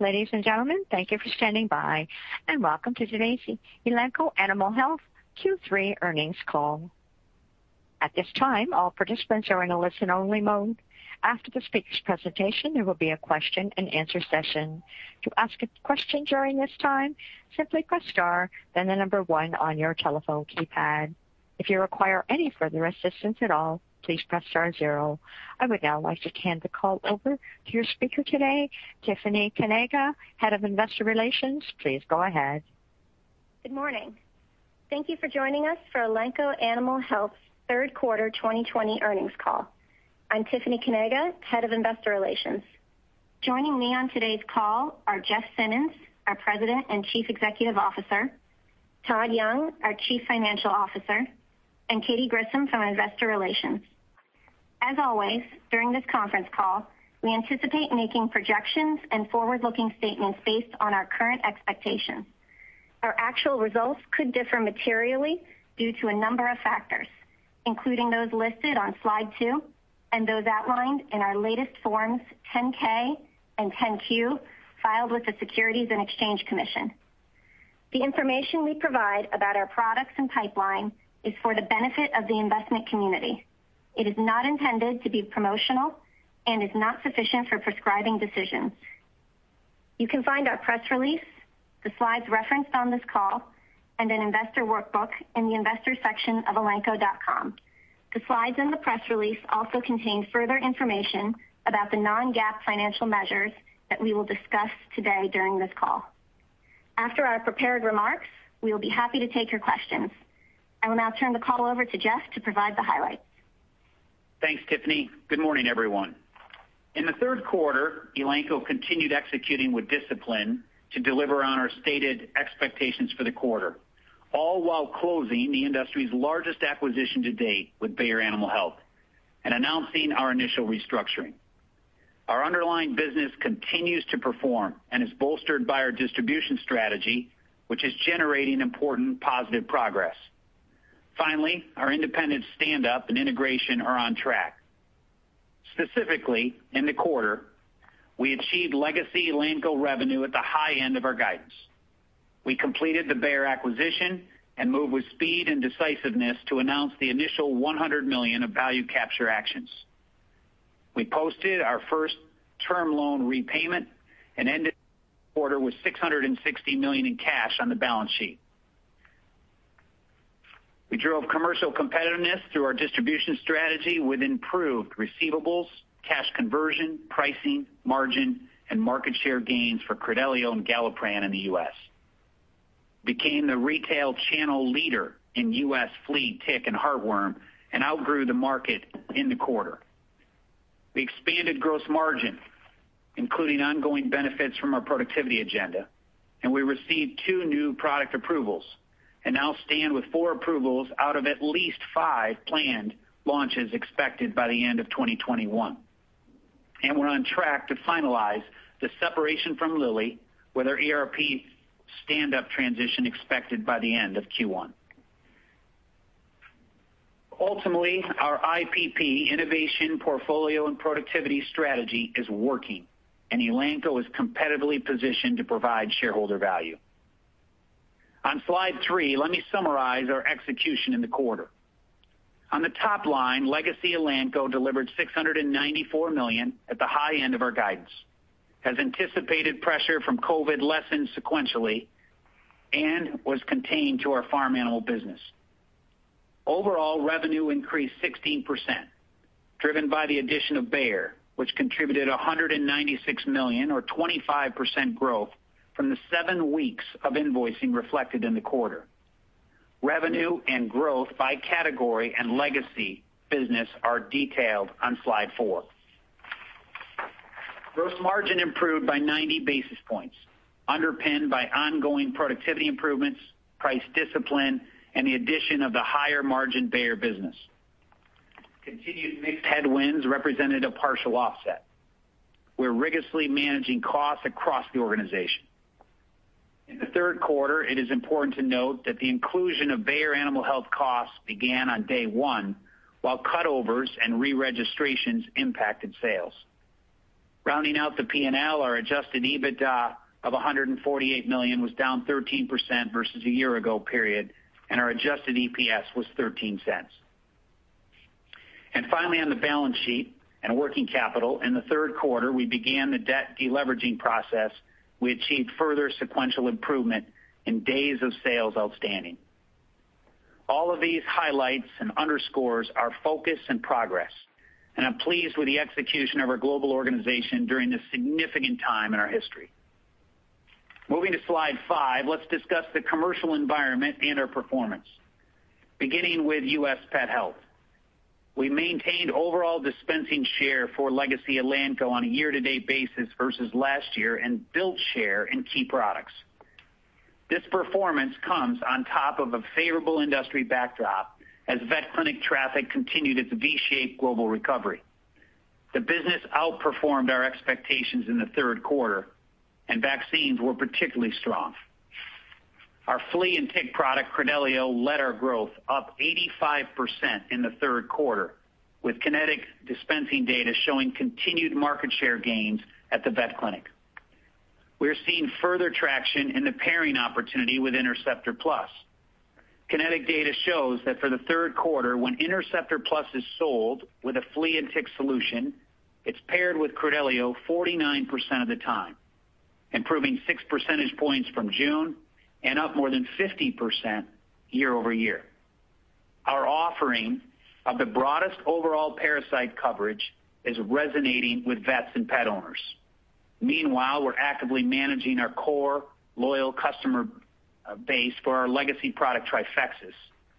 Ladies and gentlemen, thank you for standing by, and welcome to today's Elanco Animal Health Q3 Earnings Call. At this time, all participants are in a listen-only mode. After the speaker's presentation, there will be a question-and-answer session. To ask a question during this time, simply press star, then the number one on your telephone keypad. If you require any further assistance at all, please press star zero. I would now like to hand the call over to your speaker today, Tiffany Kanaga, Head of Investor Relations. Please go ahead. Good morning. Thank you for joining us for Elanco Animal Health's Third Quarter 2020 Earnings Call. I'm Tiffany Kanaga, Head of Investor Relations. Joining me on today's call are Jeff Simmons, our President and Chief Executive Officer, Todd Young, our Chief Financial Officer, and Katy Grissom from Investor Relations. As always, during this conference call, we anticipate making projections and forward-looking statements based on our current expectations. Our actual results could differ materially due to a number of factors, including those listed on slide two and those outlined in our latest Forms 10-K and 10-Q filed with the Securities and Exchange Commission. The information we provide about our products and pipeline is for the benefit of the investment community. It is not intended to be promotional and is not sufficient for prescribing decisions. You can find our press release, the slides referenced on this call, and an investor workbook in the investor section of elanco.com. The slides and the press release also contain further information about the non-GAAP financial measures that we will discuss today during this call. After our prepared remarks, we will be happy to take your questions. I will now turn the call over to Jeff to provide the highlights. Thanks, Tiffany. Good morning, everyone. In the third quarter, Elanco continued executing with discipline to deliver on our stated expectations for the quarter, all while closing the industry's largest acquisition to date with Bayer Animal Health and announcing our initial restructuring. Our underlying business continues to perform and is bolstered by our distribution strategy, which is generating important positive progress. Finally, our independent stand-up and integration are on track. Specifically, in the quarter, we achieved legacy Elanco revenue at the high end of our guidance. We completed the Bayer acquisition and moved with speed and decisiveness to announce the initial $100 million of value capture actions. We posted our first term loan repayment and ended the quarter with $660 million in cash on the balance sheet. We drove commercial competitiveness through our distribution strategy with improved receivables, cash conversion, pricing, margin, and market share gains for Credelio and Galliprant in the U.S. We became the retail channel leader in U.S. flea, tick, and heartworm, and outgrew the market in the quarter. We expanded gross margin, including ongoing benefits from our productivity agenda, and we received two new product approvals and now stand with four approvals out of at least five planned launches expected by the end of 2021, and we're on track to finalize the separation from Lilly with our ERP stand-up transition expected by the end of Q1. Ultimately, our IPP, Innovation, Portfolio, and Productivity Strategy is working, and Elanco is competitively positioned to provide shareholder value. On slide three, let me summarize our execution in the quarter. On the top line, legacy Elanco delivered $694 million at the high end of our guidance, has anticipated pressure from COVID lessened sequentially, and was contained to our farm animal business. Overall revenue increased 16%, driven by the addition of Bayer, which contributed $196 million, or 25% growth from the seven weeks of invoicing reflected in the quarter. Revenue and growth by category and legacy business are detailed on slide four. Gross margin improved by 90 basis points, underpinned by ongoing productivity improvements, price discipline, and the addition of the higher margin Bayer business. Continued mix headwinds represented a partial offset. We're rigorously managing costs across the organization. In the third quarter, it is important to note that the inclusion of Bayer Animal Health costs began on day one, while cutovers and re-registrations impacted sales. Rounding out the P&L, our adjusted EBITDA of $148 million was down 13% versus a year ago, and our adjusted EPS was $0.13. And finally, on the balance sheet and working capital, in the third quarter, we began the debt deleveraging process. We achieved further sequential improvement in days of sales outstanding. All of these highlights and underscores our focus and progress, and I'm pleased with the execution of our global organization during this significant time in our history. Moving to slide five, let's discuss the commercial environment and our performance, beginning with U.S. pet health. We maintained overall dispensing share for legacy Elanco on a year-to-date basis versus last year and built share in key products. This performance comes on top of a favorable industry backdrop as vet clinic traffic continued its V-shaped global recovery. The business outperformed our expectations in the third quarter, and vaccines were particularly strong. Our flea and tick product Credelio led our growth up 85% in the third quarter, with Kynetec dispensing data showing continued market share gains at the vet clinic. We're seeing further traction in the pairing opportunity with Interceptor Plus. Kynetec data shows that for the third quarter, when Interceptor Plus is sold with a flea and tick solution, it's paired with Credelio 49% of the time, improving six percentage points from June and up more than 50% year-over-year. Our offering of the broadest overall parasite coverage is resonating with vets and pet owners. Meanwhile, we're actively managing our core loyal customer base for our legacy product Trifexis,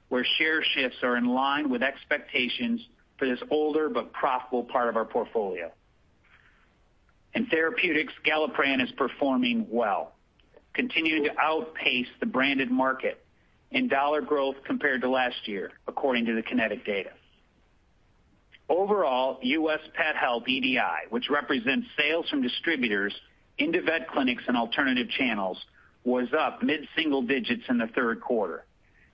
where share shifts are in line with expectations for this older but profitable part of our portfolio. In therapeutics, Galliprant is performing well, continuing to outpace the branded market in dollar growth compared to last year, according to the IQVIA data. Overall, U.S. pet health EDI, which represents sales from distributors into vet clinics and alternative channels, was up mid-single digits in the third quarter,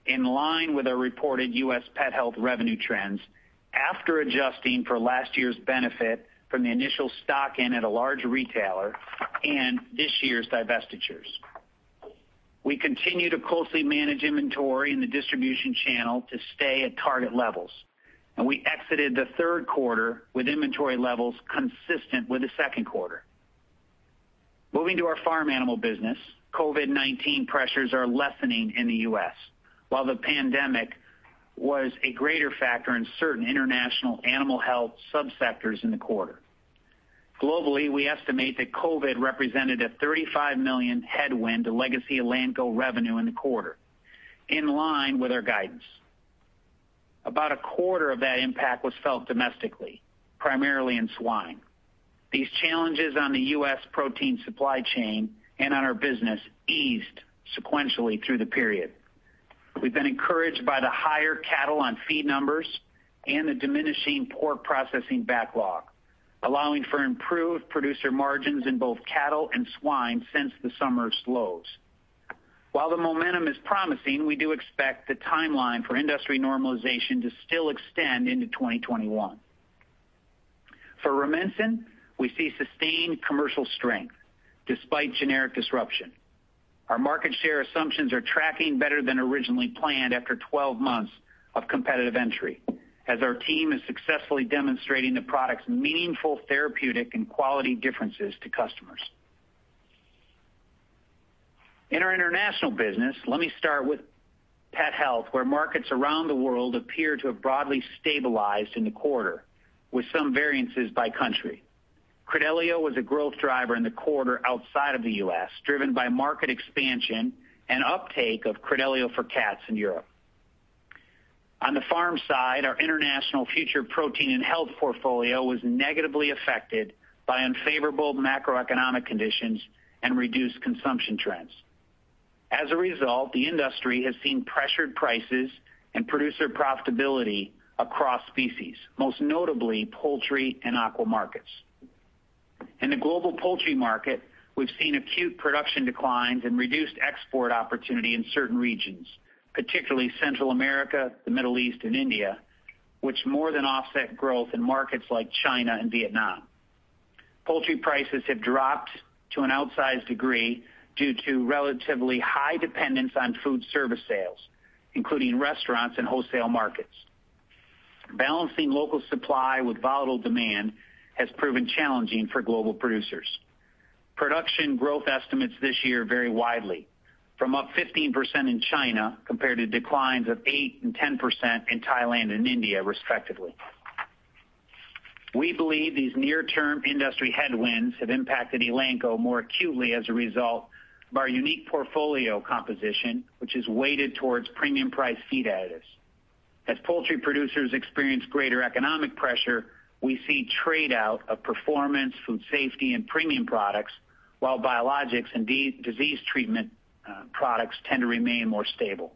in line with our reported U.S. pet health revenue trends after adjusting for last year's benefit from the initial stocking at a large retailer and this year's divestitures. We continue to closely manage inventory in the distribution channel to stay at target levels, and we exited the third quarter with inventory levels consistent with the second quarter. Moving to our farm animal business, COVID-19 pressures are lessening in the U.S., while the pandemic was a greater factor in certain international animal health subsectors in the quarter. Globally, we estimate that COVID represented a $35 million headwind to legacy Elanco revenue in the quarter, in line with our guidance. About a quarter of that impact was felt domestically, primarily in swine. These challenges on the U.S. protein supply chain and on our business eased sequentially through the period. We've been encouraged by the higher cattle on feed numbers and the diminishing pork processing backlog, allowing for improved producer margins in both cattle and swine since the summer lows. While the momentum is promising, we do expect the timeline for industry normalization to still extend into 2021. For Rumensin, we see sustained commercial strength despite generic disruption. Our market share assumptions are tracking better than originally planned after 12 months of competitive entry, as our team is successfully demonstrating the product's meaningful therapeutic and quality differences to customers. In our international business, let me start with pet health, where markets around the world appear to have broadly stabilized in the quarter, with some variances by country. Credelio was a growth driver in the quarter outside of the U.S., driven by market expansion and uptake of Credelio for cats in Europe. On the farm side, our international future protein and health portfolio was negatively affected by unfavorable macroeconomic conditions and reduced consumption trends. As a result, the industry has seen pressured prices and producer profitability across species, most notably poultry and aqua markets. In the global poultry market, we've seen acute production declines and reduced export opportunity in certain regions, particularly Central America, the Middle East, and India, which more than offset growth in markets like China and Vietnam. Poultry prices have dropped to an outsized degree due to relatively high dependence on food service sales, including restaurants and wholesale markets. Balancing local supply with volatile demand has proven challenging for global producers. Production growth estimates this year vary widely, from up 15% in China compared to declines of 8% and 10% in Thailand and India, respectively. We believe these near-term industry headwinds have impacted Elanco more acutely as a result of our unique portfolio composition, which is weighted towards premium-priced feed additives. As poultry producers experience greater economic pressure, we see tradeout of performance, food safety, and premium products, while biologics and disease treatment products tend to remain more stable.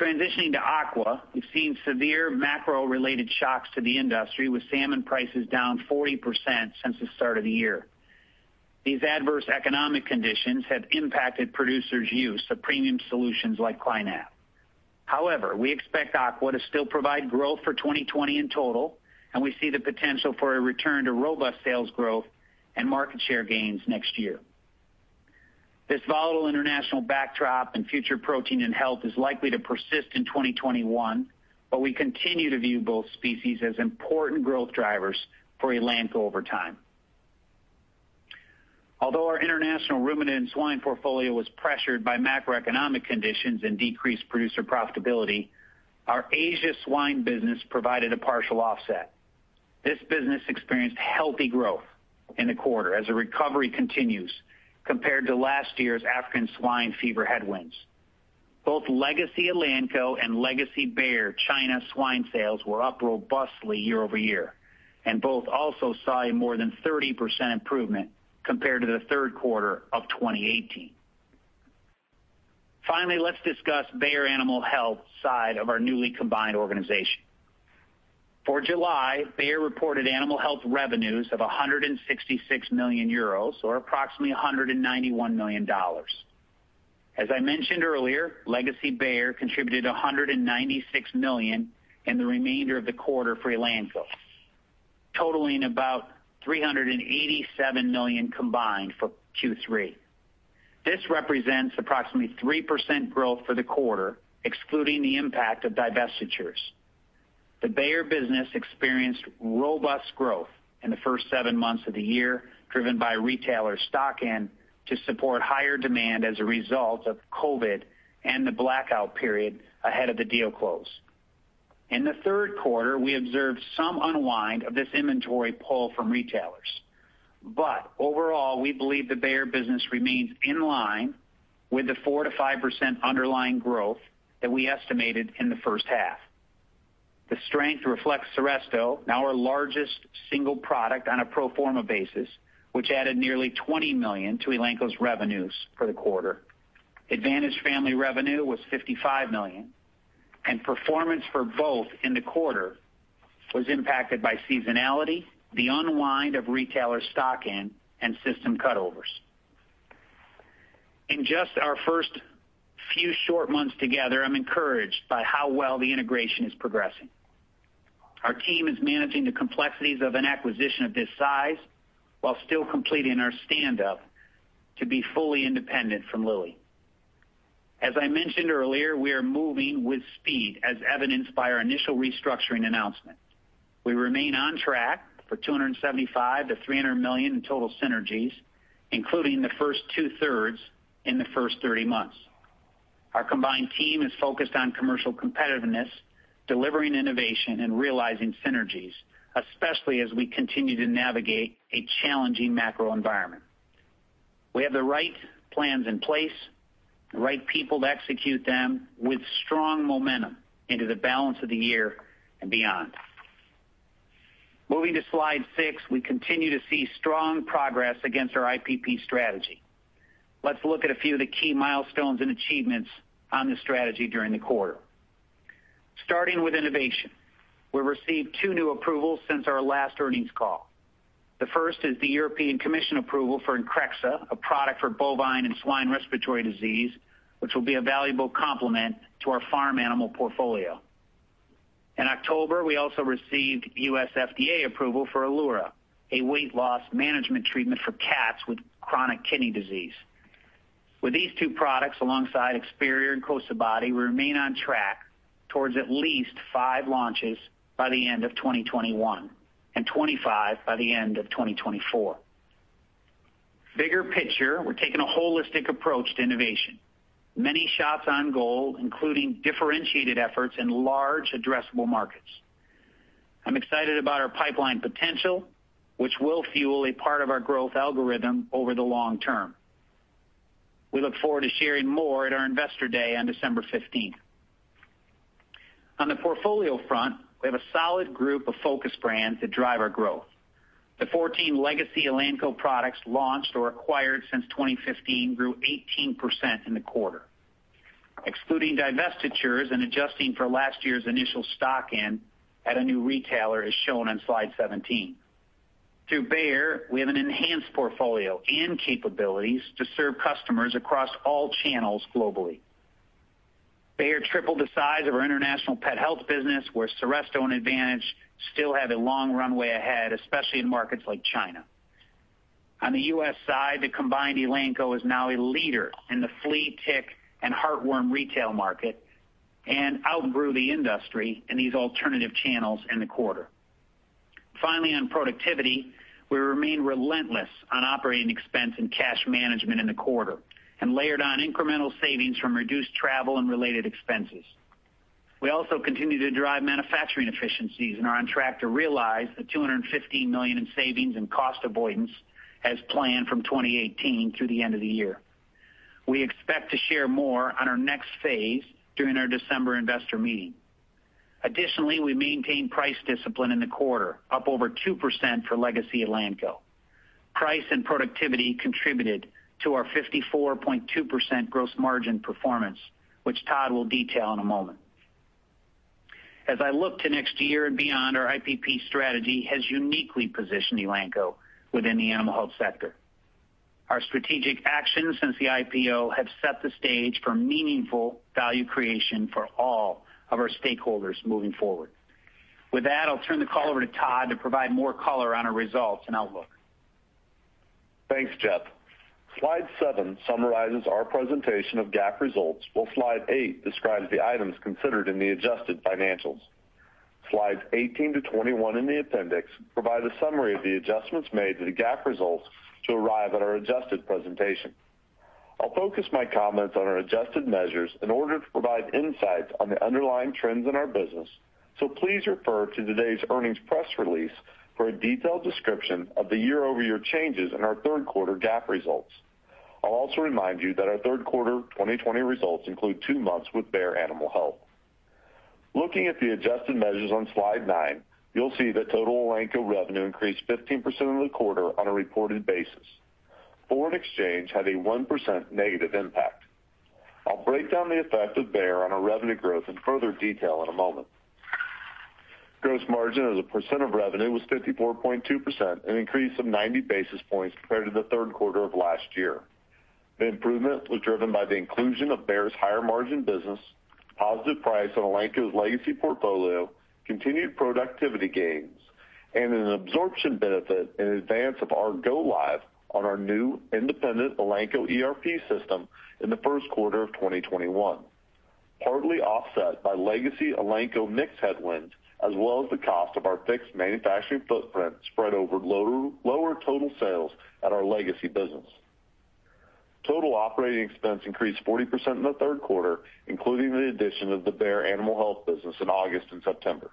Transitioning to aqua, we've seen severe macro-related shocks to the industry, with salmon prices down 40% since the start of the year. These adverse economic conditions have impacted producers' use of premium solutions like Clynav. However, we expect aqua to still provide growth for 2020 in total, and we see the potential for a return to robust sales growth and market share gains next year. This volatile international backdrop and future protein and health is likely to persist in 2021, but we continue to view both species as important growth drivers for Elanco over time. Although our international ruminant and swine portfolio was pressured by macroeconomic conditions and decreased producer profitability, our Asia swine business provided a partial offset. This business experienced healthy growth in the quarter as the recovery continues compared to last year's African swine fever headwinds. Both legacy Elanco and legacy Bayer China swine sales were up robustly year over year, and both also saw a more than 30% improvement compared to the third quarter of 2018. Finally, let's discuss Bayer Animal Health side of our newly combined organization. For July, Bayer reported animal health revenues of 166 million euros, or approximately $191 million. As I mentioned earlier, legacy Bayer contributed $196 million in the remainder of the quarter for Elanco, totaling about $387 million combined for Q3. This represents approximately 3% growth for the quarter, excluding the impact of divestitures. The Bayer business experienced robust growth in the first seven months of the year, driven by retailer stock in to support higher demand as a result of COVID and the blackout period ahead of the deal close. In the third quarter, we observed some unwind of this inventory pull from retailers. But overall, we believe the Bayer business remains in line with the 4%-5% underlying growth that we estimated in the first half. The strength reflects Seresto, now our largest single product on a pro forma basis, which added nearly $20 million to Elanco's revenues for the quarter. Advantage family revenue was $55 million, and performance for both in the quarter was impacted by seasonality, the unwind of retailer stock in, and system cutovers. In just our first few short months together, I'm encouraged by how well the integration is progressing. Our team is managing the complexities of an acquisition of this size while still completing our stand-up to be fully independent from Lilly. As I mentioned earlier, we are moving with speed, as evidenced by our initial restructuring announcement. We remain on track for $275 million-$300 million in total synergies, including the first two-thirds in the first 3 months. Our combined team is focused on commercial competitiveness, delivering innovation, and realizing synergies, especially as we continue to navigate a challenging macro environment. We have the right plans in place, the right people to execute them, with strong momentum into the balance of the year and beyond. Moving to slide six, we continue to see strong progress against our IPP strategy. Let's look at a few of the key milestones and achievements on the strategy during the quarter. Starting with innovation, we received two new approvals since our last earnings call. The first is the European Commission approval for Increxxa, a product for bovine and swine respiratory disease, which will be a valuable complement to our farm animal portfolio. In October, we also received U.S. FDA approval for Elura, a weight loss management treatment for cats with chronic kidney disease. With these two products, alongside Experior and Bovaer, we remain on track towards at least five launches by the end of 2021 and 25 by the end of 2024. Bigger picture, we're taking a holistic approach to innovation. Many shots on goal, including differentiated efforts in large addressable markets. I'm excited about our pipeline potential, which will fuel a part of our growth algorithm over the long term. We look forward to sharing more at our Investor Day on December 15th. On the portfolio front, we have a solid group of focus brands that drive our growth. The 14 legacy Elanco products launched or acquired since 2015 grew 18% in the quarter. Excluding divestitures and adjusting for last year's initial stocking at a new retailer is shown on slide 17. Through Bayer, we have an enhanced portfolio and capabilities to serve customers across all channels globally. Bayer tripled the size of our international pet health business, where Seresto and Advantage still have a long runway ahead, especially in markets like China. On the U.S. side, the combined Elanco is now a leader in the flea, tick, and heartworm retail market and outgrew the industry in these alternative channels in the quarter. Finally, on productivity, we remain relentless on operating expense and cash management in the quarter and layered on incremental savings from reduced travel and related expenses. We also continue to drive manufacturing efficiencies and are on track to realize the $215 million in savings and cost avoidance as planned from 2018 through the end of the year. We expect to share more on our next phase during our December investor meeting. Additionally, we maintain price discipline in the quarter, up over 2% for legacy Elanco. Price and productivity contributed to our 54.2% gross margin performance, which Todd will detail in a moment. As I look to next year and beyond, our IPP Strategy has uniquely positioned Elanco within the animal health sector. Our strategic actions since the IPO have set the stage for meaningful value creation for all of our stakeholders moving forward. With that, I'll turn the call over to Todd to provide more color on our results and outlook. Thanks, Jeff. Slide seven summarizes our presentation of GAAP results, while slide eight describes the items considered in the adjusted financials. Slides 18 to 21 in the appendix provide a summary of the adjustments made to the GAAP results to arrive at our adjusted presentation. I'll focus my comments on our adjusted measures in order to provide insights on the underlying trends in our business, so please refer to today's earnings press release for a detailed description of the year-over-year changes in our third quarter GAAP results. I'll also remind you that our third quarter 2020 results include two months with Bayer Animal Health. Looking at the adjusted measures on slide nine, you'll see that total Elanco revenue increased 15% for the quarter on a reported basis. Foreign exchange had a 1% negative impact. I'll break down the effect of Bayer on our revenue growth in further detail in a moment. Gross margin as a percent of revenue was 54.2%, an increase of 90 basis points compared to the third quarter of last year. The improvement was driven by the inclusion of Bayer's higher margin business, positive price on Elanco's legacy portfolio, continued productivity gains, and an absorption benefit in advance of our go-live on our new independent Elanco ERP system in the first quarter of 2021, partly offset by legacy Elanco mixed headwinds, as well as the cost of our fixed manufacturing footprint spread over lower total sales at our legacy business. Total operating expense increased 40% in the third quarter, including the addition of the Bayer Animal Health business in August and September.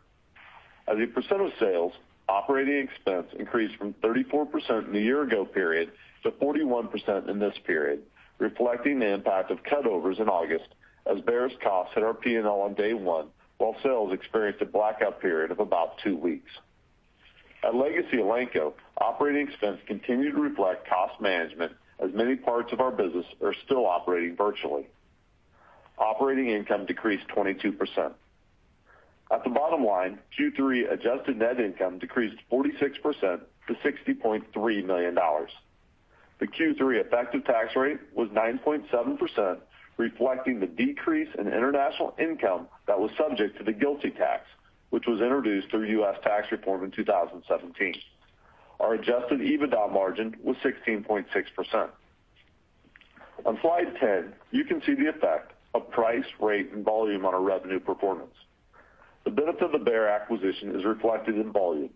As a percent of sales, operating expense increased from 34% in the year-ago period to 41% in this period, reflecting the impact of cutovers in August, as Bayer's costs hit our P&L on day one, while sales experienced a blackout period of about two weeks. At legacy Elanco, operating expense continued to reflect cost management, as many parts of our business are still operating virtually. Operating income decreased 22%. At the bottom line, Q3 adjusted net income decreased 46% to $60.3 million. The Q3 effective tax rate was 9.7%, reflecting the decrease in international income that was subject to the GILTI tax, which was introduced through U.S. tax reform in 2017. Our adjusted EBITDA margin was 16.6%. On slide 10, you can see the effect of price, rate, and volume on our revenue performance. The benefit of the Bayer acquisition is reflected in volume.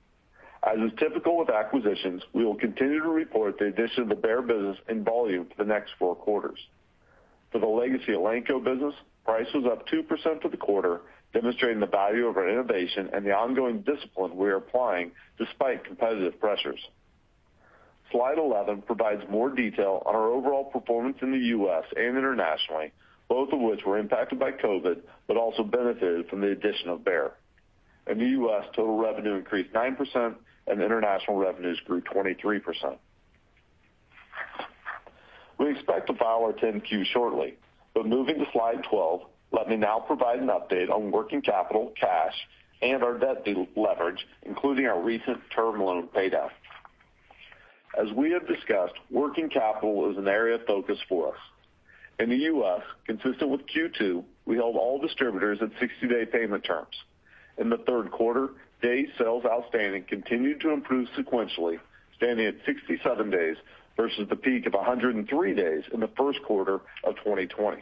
As is typical with acquisitions, we will continue to report the addition of the Bayer business in volume for the next four quarters. For the legacy Elanco business, price was up 2% for the quarter, demonstrating the value of our innovation and the ongoing discipline we are applying despite competitive pressures. Slide 11 provides more detail on our overall performance in the U.S. and internationally, both of which were impacted by COVID but also benefited from the addition of Bayer. In the U.S., total revenue increased 9%, and international revenues grew 23%. We expect to file our 10-Q shortly, but moving to slide 12, let me now provide an update on working capital, cash, and our debt leverage, including our recent term loan paydown. As we have discussed, working capital is an area of focus for us. In the U.S., consistent with Q2, we held all distributors at 60-day payment terms. In the third quarter, day sales outstanding continued to improve sequentially, standing at 67 days versus the peak of 103 days in the first quarter of 2020.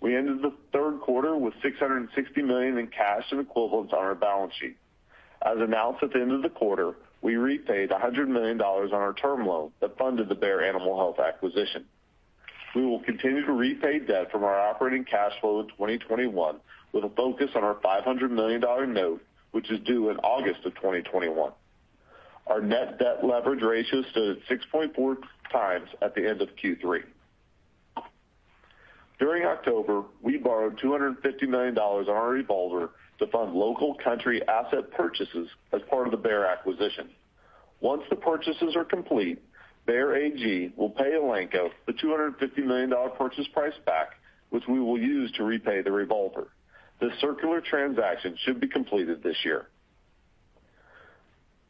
We ended the third quarter with $660 million in cash and equivalents on our balance sheet. As announced at the end of the quarter, we repaid $100 million on our term loan that funded the Bayer Animal Health acquisition. We will continue to repay debt from our operating cash flow in 2021, with a focus on our $500 million note, which is due in August of 2021. Our net debt leverage ratio stood at 6.4× at the end of Q3. During October, we borrowed $250 million on our revolver to fund local country asset purchases as part of the Bayer acquisition. Once the purchases are complete, Bayer AG will pay Elanco the $250 million purchase price back, which we will use to repay the revolver. This circular transaction should be completed this year.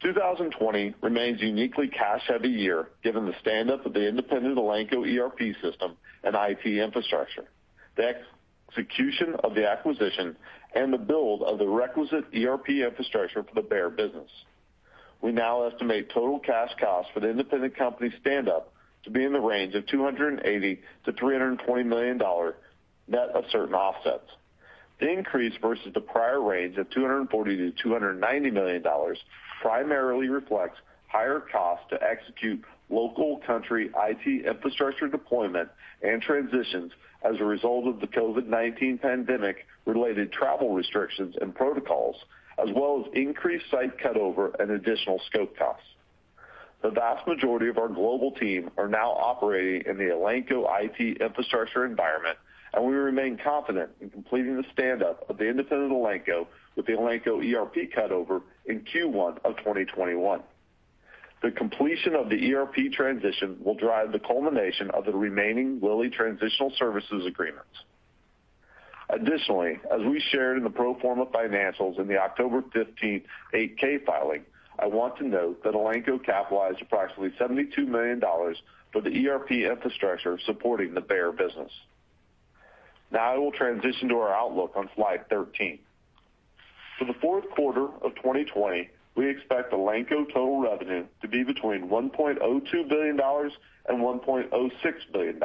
2020 remains uniquely cash-heavy year, given the stand-up of the independent Elanco ERP system and IP infrastructure, the execution of the acquisition, and the build of the requisite ERP infrastructure for the Bayer business. We now estimate total cash costs for the independent company stand-up to be in the range of $280 million-$320 million net of certain offsets. The increase versus the prior range of $240 million-$290 million primarily reflects higher costs to execute local country IT infrastructure deployment and transitions as a result of the COVID-19 pandemic-related travel restrictions and protocols, as well as increased site cutover and additional scope costs. The vast majority of our global team are now operating in the Elanco IT infrastructure environment, and we remain confident in completing the stand-up of the independent Elanco with the Elanco ERP cutover in Q1 of 2021. The completion of the ERP transition will drive the culmination of the remaining Lilly transitional services agreements. Additionally, as we shared in the pro forma financials in the October 15th 8-K filing, I want to note that Elanco capitalized approximately $72 million for the ERP infrastructure supporting the Bayer business. Now I will transition to our outlook on slide 13. For the fourth quarter of 2020, we expect Elanco total revenue to be between $1.02 billion and $1.06 billion.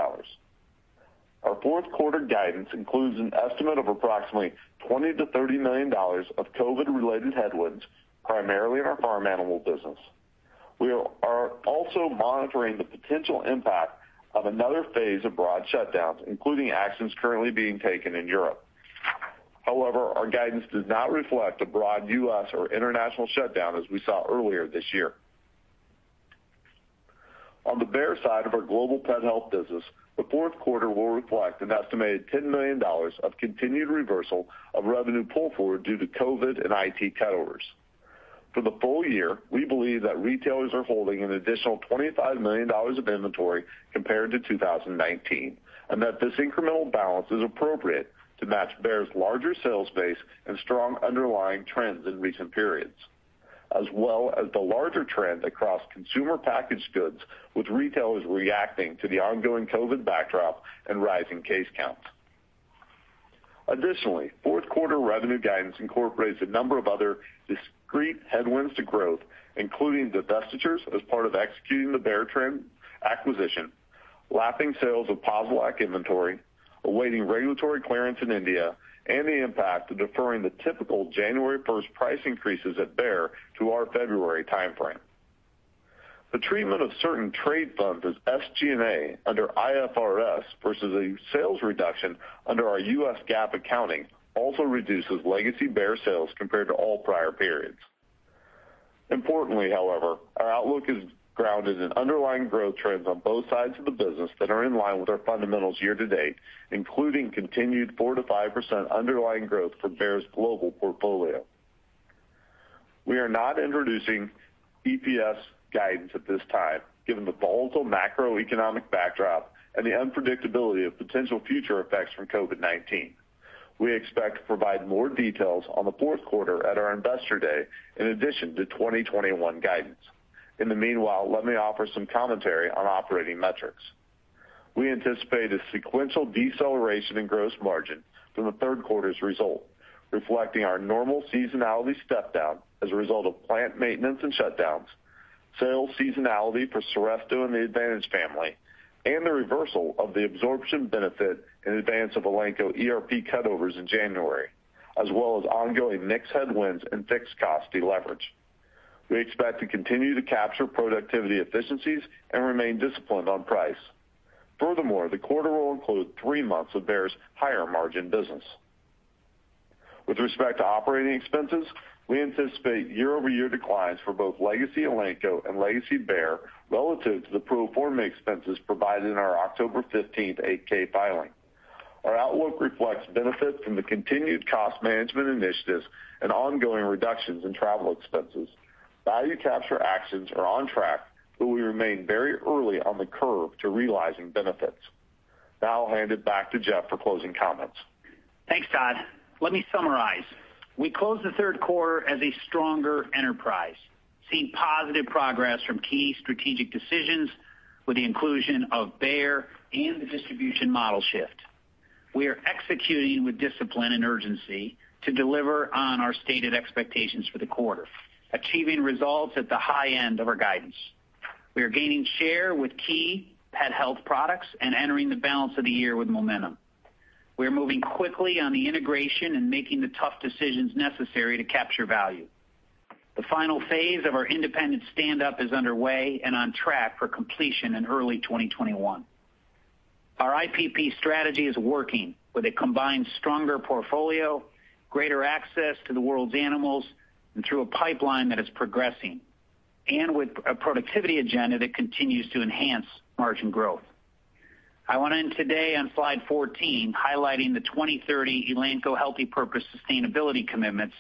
Our fourth quarter guidance includes an estimate of approximately $20 million to $30 million of COVID-related headwinds, primarily in our farm animal business. We are also monitoring the potential impact of another phase of broad shutdowns, including actions currently being taken in Europe. However, our guidance does not reflect a broad U.S. or international shutdown, as we saw earlier this year. On the Bayer side of our global pet health business, the fourth quarter will reflect an estimated $10 million of continued reversal of revenue pull forward due to COVID and IT cutovers. For the full year, we believe that retailers are holding an additional $25 million of inventory compared to 2019, and that this incremental balance is appropriate to match Bayer's larger sales base and strong underlying trends in recent periods, as well as the larger trend across consumer packaged goods, with retailers reacting to the ongoing COVID backdrop and rising case counts. Additionally, fourth quarter revenue guidance incorporates a number of other discrete headwinds to growth, including divestitures as part of executing the Bayer acquisition, lapping sales of Posilac inventory, awaiting regulatory clearance in India, and the impact of deferring the typical January 1st price increases at Bayer to our February timeframe. The treatment of certain trade funds as SG&A under IFRS versus a sales reduction under our U.S. GAAP accounting also reduces legacy Bayer sales compared to all prior periods. Importantly, however, our outlook is grounded in underlying growth trends on both sides of the business that are in line with our fundamentals year to date, including continued 4%-5% underlying growth for Bayer's global portfolio. We are not introducing EPS guidance at this time, given the volatile macroeconomic backdrop and the unpredictability of potential future effects from COVID-19. We expect to provide more details on the fourth quarter at our Investor Day in addition to 2021 guidance. In the meanwhile, let me offer some commentary on operating metrics. We anticipate a sequential deceleration in gross margin from the third quarter's result, reflecting our normal seasonality step-down as a result of plant maintenance and shutdowns, sales seasonality for Seresto and the Advantage family, and the reversal of the absorption benefit in advance of Elanco ERP cutovers in January, as well as ongoing mixed headwinds and fixed cost deleverage. We expect to continue to capture productivity efficiencies and remain disciplined on price. Furthermore, the quarter will include three months of Bayer's higher margin business. With respect to operating expenses, we anticipate year-over-year declines for both legacy Elanco and legacy Bayer relative to the pro forma expenses provided in our October 15th 8-K filing. Our outlook reflects benefits from the continued cost management initiatives and ongoing reductions in travel expenses. Value capture actions are on track, but we remain very early on the curve to realizing benefits. Now I'll hand it back to Jeff for closing comments. Thanks, Todd. Let me summarize. We closed the third quarter as a stronger enterprise, seeing positive progress from key strategic decisions with the inclusion of Bayer and the distribution model shift. We are executing with discipline and urgency to deliver on our stated expectations for the quarter, achieving results at the high end of our guidance. We are gaining share with key pet health products and entering the balance of the year with momentum. We are moving quickly on the integration and making the tough decisions necessary to capture value. The final phase of our independent stand-up is underway and on track for completion in early 2021. Our IPP strategy is working, but it combines stronger portfolio, greater access to the world's animals, and through a pipeline that is progressing, and with a productivity agenda that continues to enhance margin growth. I want to end today on slide 14, highlighting the 2030 Elanco Healthy Purpose Sustainability Commitments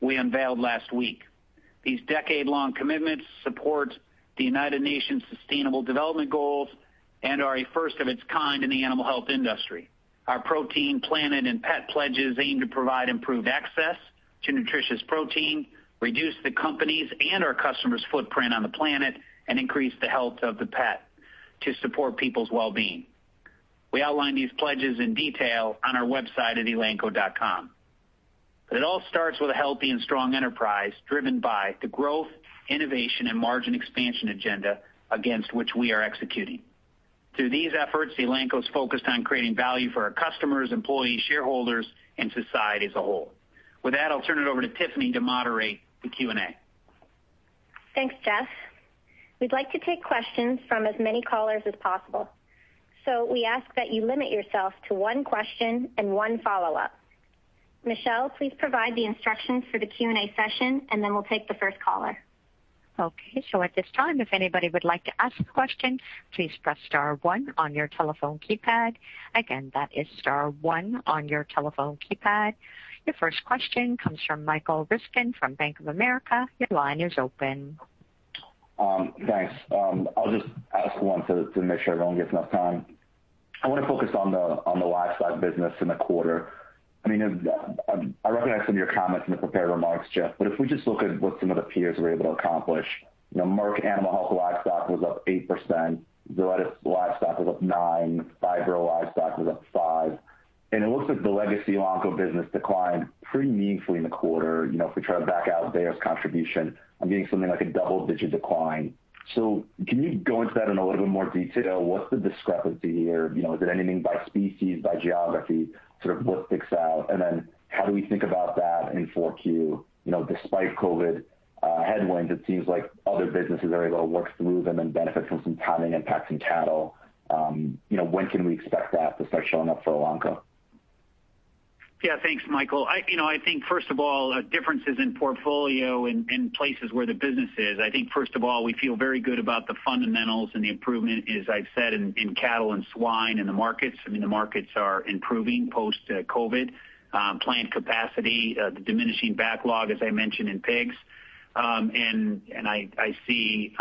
we unveiled last week. These decade-long commitments support the United Nations Sustainable Development Goals and are a first of its kind in the animal health industry. Our Protein, Planet, and Pet pledges aim to provide improved access to nutritious protein, reduce the company's and our customers' footprint on the planet, and increase the health of the pet to support people's well-being. We outline these pledges in detail on our website at elanco.com. It all starts with a healthy and strong enterprise driven by the growth, innovation, and margin expansion agenda against which we are executing. Through these efforts, Elanco is focused on creating value for our customers, employees, shareholders, and society as a whole. With that, I'll turn it over to Tiffany to moderate the Q&A. Thanks, Jeff. We'd like to take questions from as many callers as possible. So we ask that you limit yourself to one question and one follow-up. Michelle, please provide the instructions for the Q&A session, and then we'll take the first caller. Okay. So at this time, if anybody would like to ask a question, please press star one on your telephone keypad. Again, that is star one on your telephone keypad. Your first question comes from Michael Ryskin from Bank of America. Your line is open. Thanks. I'll just ask one to make sure I don't get enough time. I want to focus on the livestock business in the quarter. I mean, I recognize some of your comments in the prepared remarks, Jeff, but if we just look at what some of the peers were able to accomplish, you know, Merck Animal Health Livestock was up 8%, Zoetis Livestock was up 9%, Phibro Livestock was up 5%, and it looks like the legacy Elanco business declined pretty meaningfully in the quarter. You know, if we try to back out Bayer's contribution, I'm getting something like a double-digit decline. So can you go into that in a little bit more detail? What's the discrepancy here? You know, is it anything by species, by geography, sort of what sticks out? And then how do we think about that in 4Q? You know, despite COVID headwinds, it seems like other businesses are able to work through them and benefit from some timing impacts in cattle. You know, when can we expect that to start showing up for Elanco? Yeah, thanks, Michael. I, you know, I think first of all, differences in portfolio and places where the business is. I think first of all, we feel very good about the fundamentals and the improvement, as I've said, in cattle and swine and the markets. I mean, the markets are improving post-COVID, plant capacity, the diminishing backlog, as I mentioned, in pigs, and I see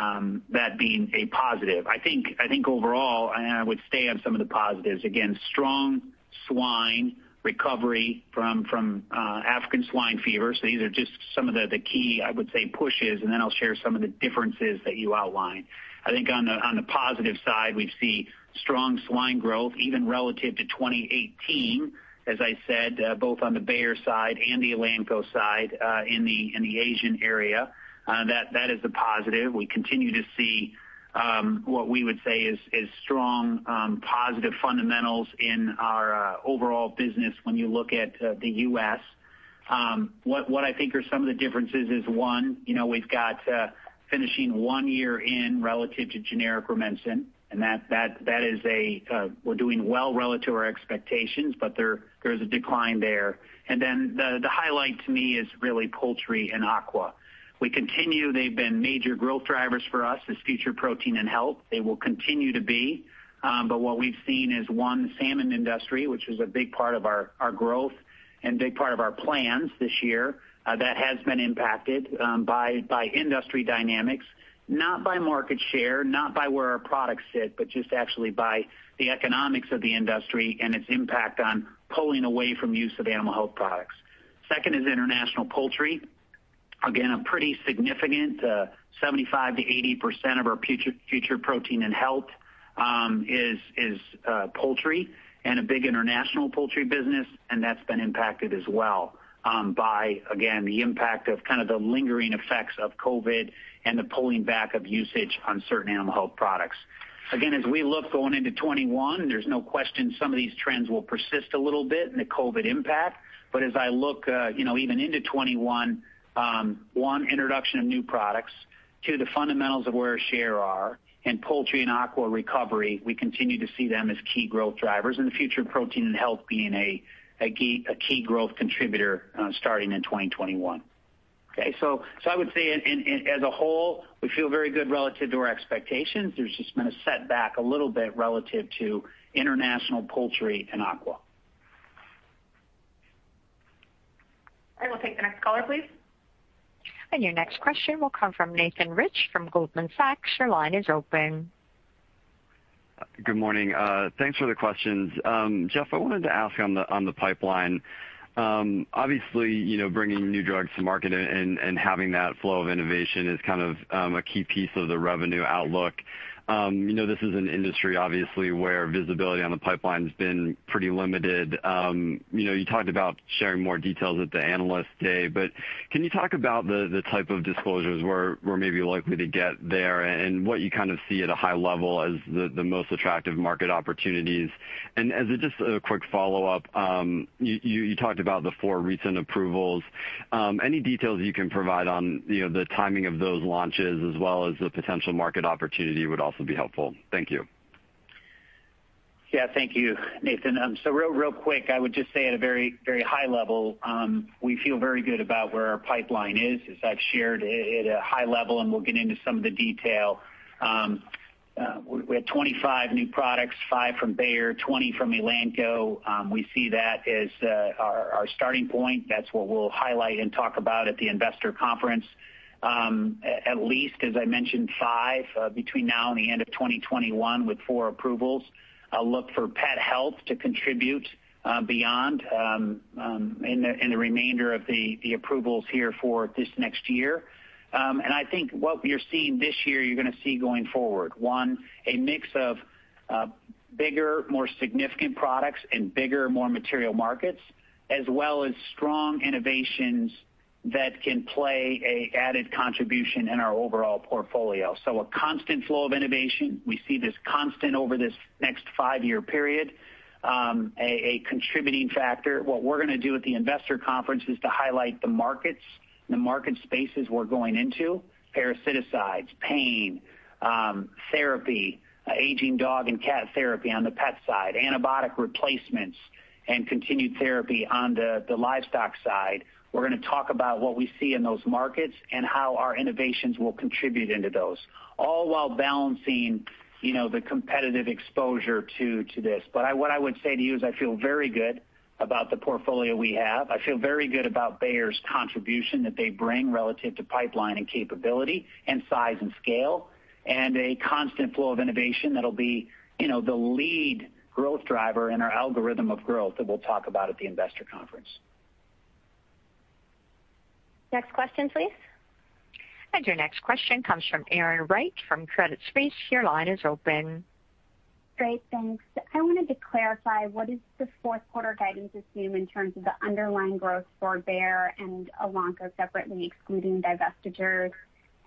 that being a positive. I think overall, and I would stay on some of the positives, again, strong swine recovery from African swine fever. So these are just some of the key, I would say, pushes, and then I'll share some of the differences that you outlined. I think on the positive side, we see strong swine growth, even relative to 2018, as I said, both on the Bayer side and the Elanco side in Asia. That is a positive. We continue to see what we would say is strong positive fundamentals in our overall business when you look at the U.S. What I think are some of the differences is one, you know, we've got finishing one year in relative to generic Rumensin, and that is a, we're doing well relative to our expectations, but there is a decline there. And then the highlight to me is really poultry and aqua. We continue, they've been major growth drivers for us as future protein and health. They will continue to be, but what we've seen is one, the salmon industry, which was a big part of our growth and big part of our plans this year, that has been impacted by industry dynamics, not by market share, not by where our products sit, but just actually by the economics of the industry and its impact on pulling away from use of animal health products. Second is international poultry. Again, a pretty significant 75%-80% of our future protein and health is poultry and a big international poultry business, and that's been impacted as well by, again, the impact of kind of the lingering effects of COVID and the pulling back of usage on certain animal health products. Again, as we look going into 2021, there's no question some of these trends will persist a little bit and the COVID impact, but as I look, you know, even into 2021, one, introduction of new products, two, the fundamentals of where our share are, and poultry and aqua recovery, we continue to see them as key growth drivers, and the future of protein and health being a key growth contributor starting in 2021. Okay. So I would say as a whole, we feel very good relative to our expectations. There's just been a setback a little bit relative to international poultry and aqua. All right. We'll take the next caller, please. And your next question will come from Nathan Rich from Goldman Sachs. Your line is open. Good morning. Thanks for the questions. Jeff, I wanted to ask on the pipeline. Obviously, you know, bringing new drugs to market and having that flow of innovation is kind of a key piece of the revenue outlook. You know, this is an industry, obviously, where visibility on the pipeline has been pretty limited. You know, you talked about sharing more details at the Analyst Day, but can you talk about the type of disclosures we're maybe likely to get there and what you kind of see at a high level as the most attractive market opportunities? And as just a quick follow-up, you talked about the four recent approvals. Any details you can provide on, you know, the timing of those launches as well as the potential market opportunity would also be helpful. Thank you. Yeah, thank you, Nathan. Real quick, I would just say at a very, very high level, we feel very good about where our pipeline is, as I've shared at a high level, and we'll get into some of the detail. We have 25 new products, five from Bayer, 20 from Elanco. We see that as our starting point. That's what we'll highlight and talk about at the investor conference. At least, as I mentioned, five between now and the end of 2021 with four approvals. I'll look for pet health to contribute beyond in the remainder of the approvals here for this next year. I think what you're seeing this year, you're going to see going forward. One, a mix of bigger, more significant products and bigger, more material markets, as well as strong innovations that can play an added contribution in our overall portfolio. A constant flow of innovation. We see this constant over this next five-year period. A contributing factor, what we're going to do at the investor conference is to highlight the markets and the market spaces we're going into, parasiticides, pain, therapy, aging dog and cat therapy on the pet side, antibiotic replacements, and continued therapy on the livestock side. We're going to talk about what we see in those markets and how our innovations will contribute into those, all while balancing, you know, the competitive exposure to this. But what I would say to you is I feel very good about the portfolio we have. I feel very good about Bayer's contribution that they bring relative to pipeline and capability and size and scale, and a constant flow of innovation that'll be, you know, the lead growth driver in our algorithm of growth that we'll talk about at the investor conference. Next question, please. Your next question comes from Erin Wright from Credit Suisse. Your line is open. Great. Thanks. I wanted to clarify what is the fourth quarter guidance assume in terms of the underlying growth for Bayer and Elanco separately, excluding divestitures,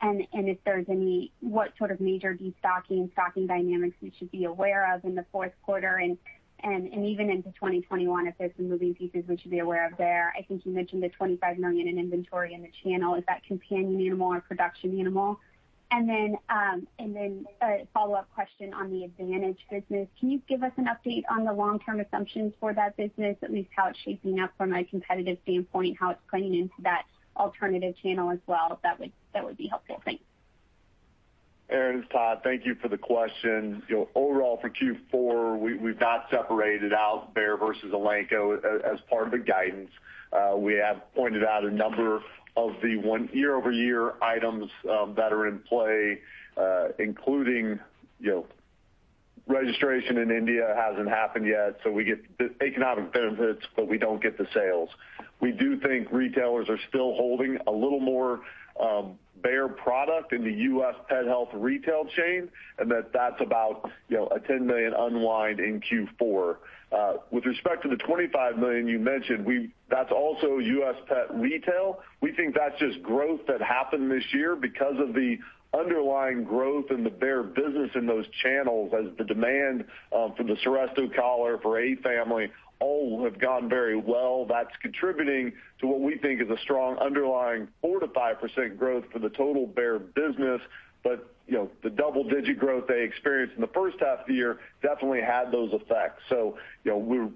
and if there's any, what sort of major destocking and stocking dynamics we should be aware of in the fourth quarter and even into 2021, if there's some moving pieces we should be aware of there. I think you mentioned the $25 million in inventory in the channel. Is that companion animal or production animal? And then a follow-up question on the Advantage business. Can you give us an update on the long-term assumptions for that business, at least how it's shaping up from a competitive standpoint, how it's playing into that alternative channel as well? That would be helpful. Thanks. Erin, it's Todd, thank you for the question. Overall, for Q4, we've not separated out Bayer versus Elanco as part of the guidance. We have pointed out a number of the year-over-year items that are in play, including, you know, registration in India hasn't happened yet, so we get the economic benefits, but we don't get the sales. We do think retailers are still holding a little more Bayer product in the U.S. pet health retail chain, and that that's about, you know, a $10 million unwind in Q4. With respect to the $25 million you mentioned, that's also U.S. pet retail. We think that's just growth that happened this year because of the underlying growth in the Bayer business in those channels, as the demand for the Seresto collar, Advantage family, all have gone very well. That's contributing to what we think is a strong underlying 4%-5% growth for the total Bayer business. But you know, the double-digit growth they experienced in the first half of the year definitely had those effects. So you know, we're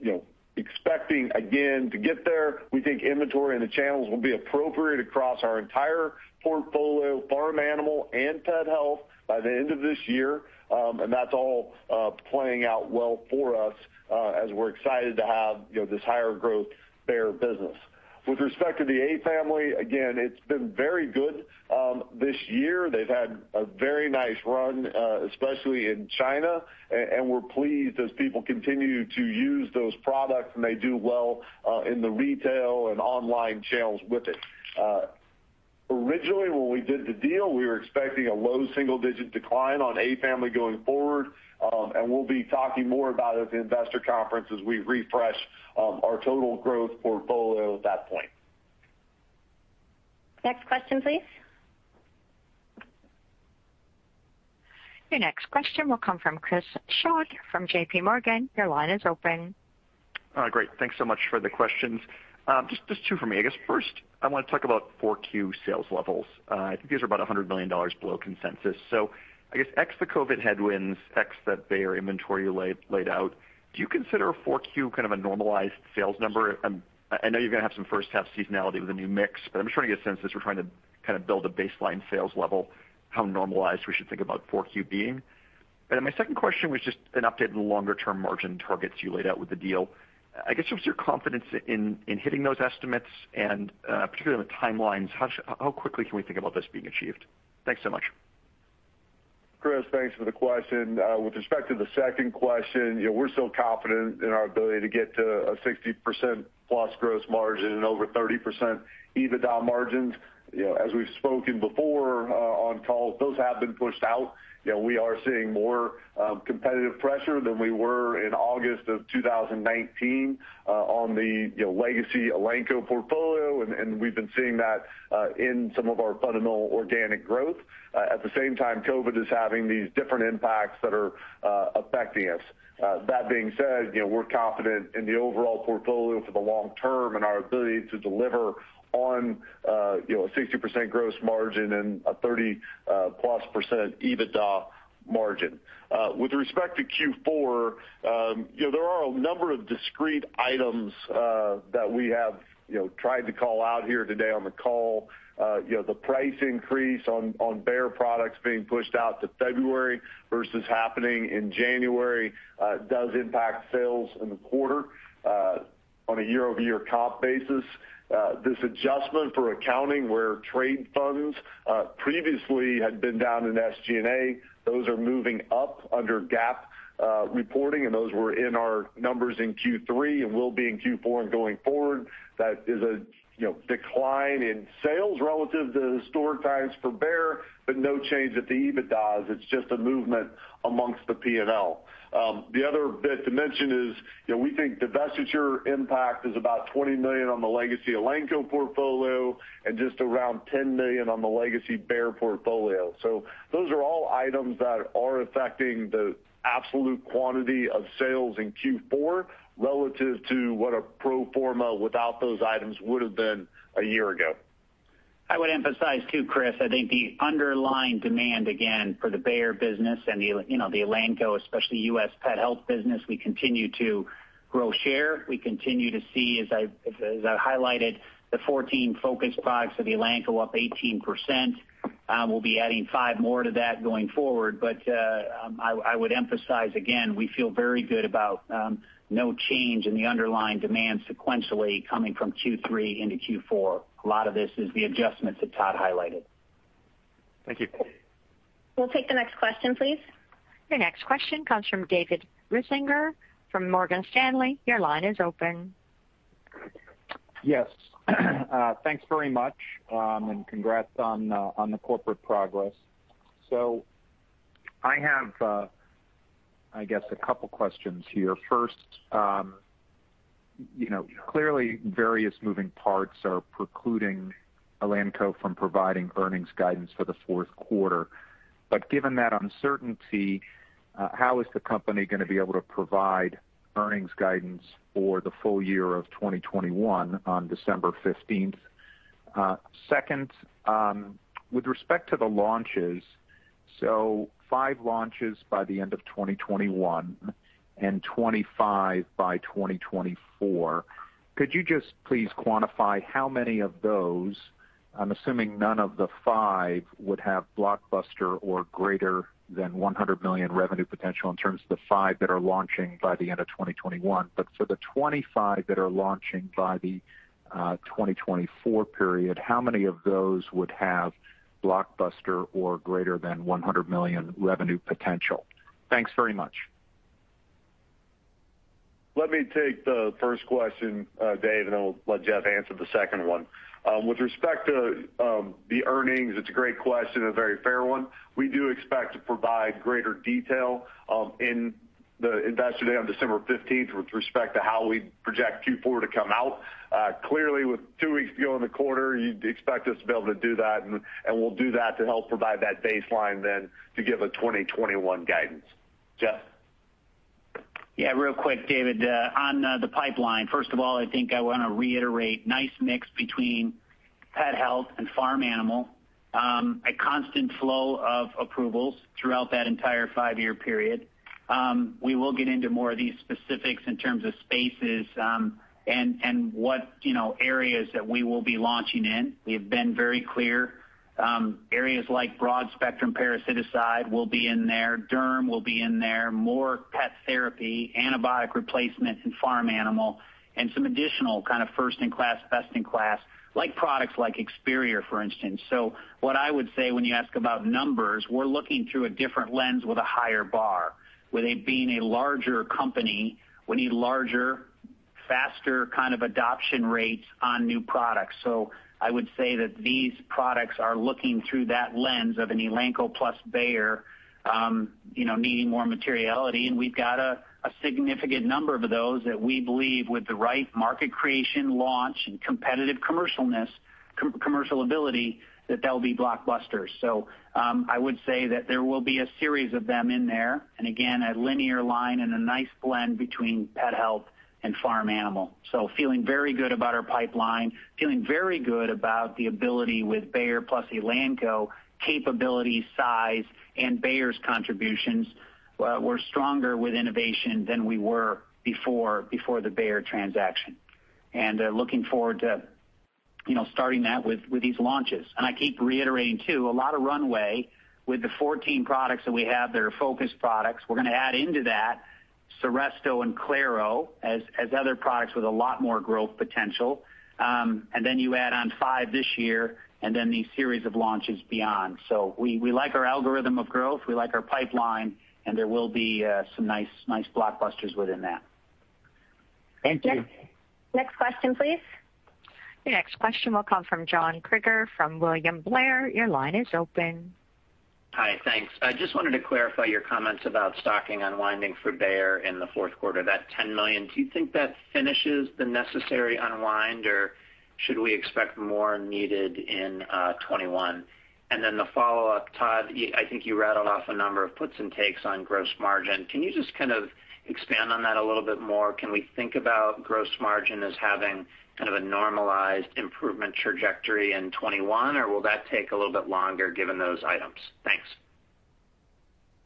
you know, expecting again to get there. We think inventory in the channels will be appropriate across our entire portfolio, farm animal and pet health by the end of this year, and that's all playing out well for us as we're excited to have you know, this higher growth Bayer business. With respect to the Advantage family, again, it's been very good this year. They've had a very nice run, especially in China, and we're pleased as people continue to use those products and they do well in the retail and online channels with it. Originally, when we did the deal, we were expecting a low single-digit decline on a family going forward, and we'll be talking more about it at the investor conference as we refresh our total growth portfolio at that point. Next question, please. Your next question will come from Chris Schott from JPMorgan. Your line is open. All right. Great. Thanks so much for the questions. Just two for me. I guess first, I want to talk about 4Q sales levels. I think these are about $100 million below consensus. So I guess ex the COVID headwinds, ex that Bayer inventory laid out. Do you consider 4Q kind of a normalized sales number? I know you're going to have some first-half seasonality with a new mix, but I'm just trying to get a sense as we're trying to kind of build a baseline sales level, how normalized we should think about 4Q being? And then my second question was just an update in the longer-term margin targets you laid out with the deal. I guess just your confidence in hitting those estimates and particularly the timelines, how quickly can we think about this being achieved? Thanks so much. Chris, thanks for the question. With respect to the second question, you know, we're still confident in our ability to get to a 60% plus gross margin and over 30% EBITDA margins. You know, as we've spoken before on calls, those have been pushed out. You know, we are seeing more competitive pressure than we were in August of 2019 on the, you know, legacy Elanco portfolio, and we've been seeing that in some of our fundamental organic growth. At the same time, COVID is having these different impacts that are affecting us. That being said, you know, we're confident in the overall portfolio for the long term and our ability to deliver on, you know, a 60% gross margin and a 30+% EBITDA margin. With respect to Q4, you know, there are a number of discrete items that we have, you know, tried to call out here today on the call. You know, the price increase on Bayer products being pushed out to February versus happening in January does impact sales in the quarter on a year-over-year comp basis. This adjustment for accounting where trade funds previously had been down in SG&A, those are moving up under GAAP reporting, and those were in our numbers in Q3 and will be in Q4 and going forward. That is a, you know, decline in sales relative to historic times for Bayer, but no change at the EBITDA's. It's just a movement amongst the P&L. The other bit to mention is, you know, we think divestiture impact is about $20 million on the legacy Elanco portfolio and just around $10 million on the legacy Bayer portfolio. So those are all items that are affecting the absolute quantity of sales in Q4 relative to what a pro forma without those items would have been a year ago. I would emphasize too, Chris, I think the underlying demand again for the Bayer business and the, you know, the Elanco, especially U.S. Pet health business, we continue to grow share. We continue to see, as I highlighted, the 14 focus products of Elanco up 18%. We'll be adding five more to that going forward, but I would emphasize again, we feel very good about no change in the underlying demand sequentially coming from Q3 into Q4. A lot of this is the adjustments that Todd highlighted. Thank you. We'll take the next question, please. Your next question comes from David Risinger from Morgan Stanley. Your line is open. Yes. Thanks very much and congrats on the corporate progress. So I have, I guess, a couple of questions here. First, you know, clearly various moving parts are precluding Elanco from providing earnings guidance for the fourth quarter. But given that uncertainty, how is the company going to be able to provide earnings guidance for the full year of 2021 on December 15th? Second, with respect to the launches, so five launches by the end of 2021 and 25 by 2024, could you just please quantify how many of those? I'm assuming none of the five would have blockbuster or greater than $100 million revenue potential in terms of the five that are launching by the end of 2021. But for the 25 that are launching by the 2024 period, how many of those would have blockbuster or greater than $100 million revenue potential? Thanks very much. Let me take the first question, Dave, and then we'll let Jeff answer the second one. With respect to the earnings, it's a great question and a very fair one. We do expect to provide greater detail in the Investor Day on December 15th with respect to how we project Q4 to come out. Clearly, with two weeks to go in the quarter, you'd expect us to be able to do that, and we'll do that to help provide that baseline then to give a 2021 guidance. Jeff. Yeah, real quick, David, on the pipeline. First of all, I think I want to reiterate nice mix between pet health and farm animal, a constant flow of approvals throughout that entire five-year period. We will get into more of these specifics in terms of spaces and what, you know, areas that we will be launching in. We have been very clear. Areas like broad spectrum parasiticide will be in there, derm will be in there, more pet therapy, antibiotic replacement, and farm animal, and some additional kind of first-in-class, best-in-class, like products like Experior, for instance. So what I would say when you ask about numbers, we're looking through a different lens with a higher bar. With it being a larger company, we need larger, faster kind of adoption rates on new products. So I would say that these products are looking through that lens of an Elanco plus Bayer, you know, needing more materiality. And we've got a significant number of those that we believe with the right market creation, launch, and competitive commercial ability that they'll be blockbusters. So I would say that there will be a series of them in there, and again, a linear line and a nice blend between pet health and farm animal. So feeling very good about our pipeline, feeling very good about the ability with Bayer plus Elanco, capability, size, and Bayer's contributions. We're stronger with innovation than we were before the Bayer transaction. Looking forward to, you know, starting that with these launches. I keep reiterating too, a lot of runway with the 14 products that we have, that are focus products. We're going to add into that Seresto and Claro as other products with a lot more growth potential. Then you add on five this year and then the series of launches beyond. So we like our algorithm of growth, we like our pipeline, and there will be some nice blockbusters within that. Thank you. Next question, please. Your next question will come from John Kreger from William Blair. Your line is open. Hi, thanks. I just wanted to clarify your comments about stocking unwinding for Bayer in the fourth quarter, that $10 million. Do you think that finishes the necessary unwind, or should we expect more needed in 2021? The follow-up, Todd, I think you rattled off a number of puts and takes on gross margin. Can you just kind of expand on that a little bit more? Can we think about gross margin as having kind of a normalized improvement trajectory in 2021, or will that take a little bit longer given those items? Thanks.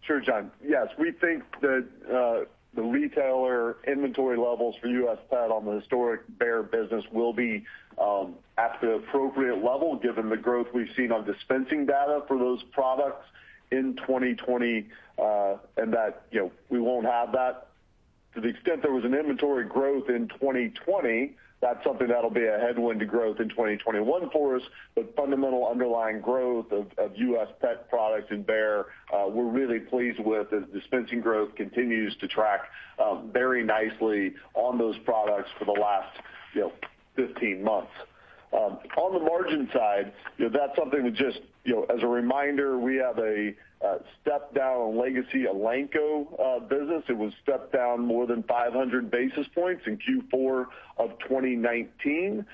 Sure, John. Yes, we think that the retailer inventory levels for U.S. pet on the historic Bayer business will be at the appropriate level given the growth we've seen on dispensing data for those products in 2020 and that, you know, we won't have that. To the extent there was an inventory growth in 2020, that's something that'll be a headwind to growth in 2021 for us. But fundamental underlying growth of U.S. pet products in Bayer, we're really pleased with as dispensing growth continues to track very nicely on those products for the last, you know, 15 months. On the margin side, you know, that's something we just, you know, as a reminder, we have a step down legacy Elanco business. It was stepped down more than 500 basis points in Q4 of 2019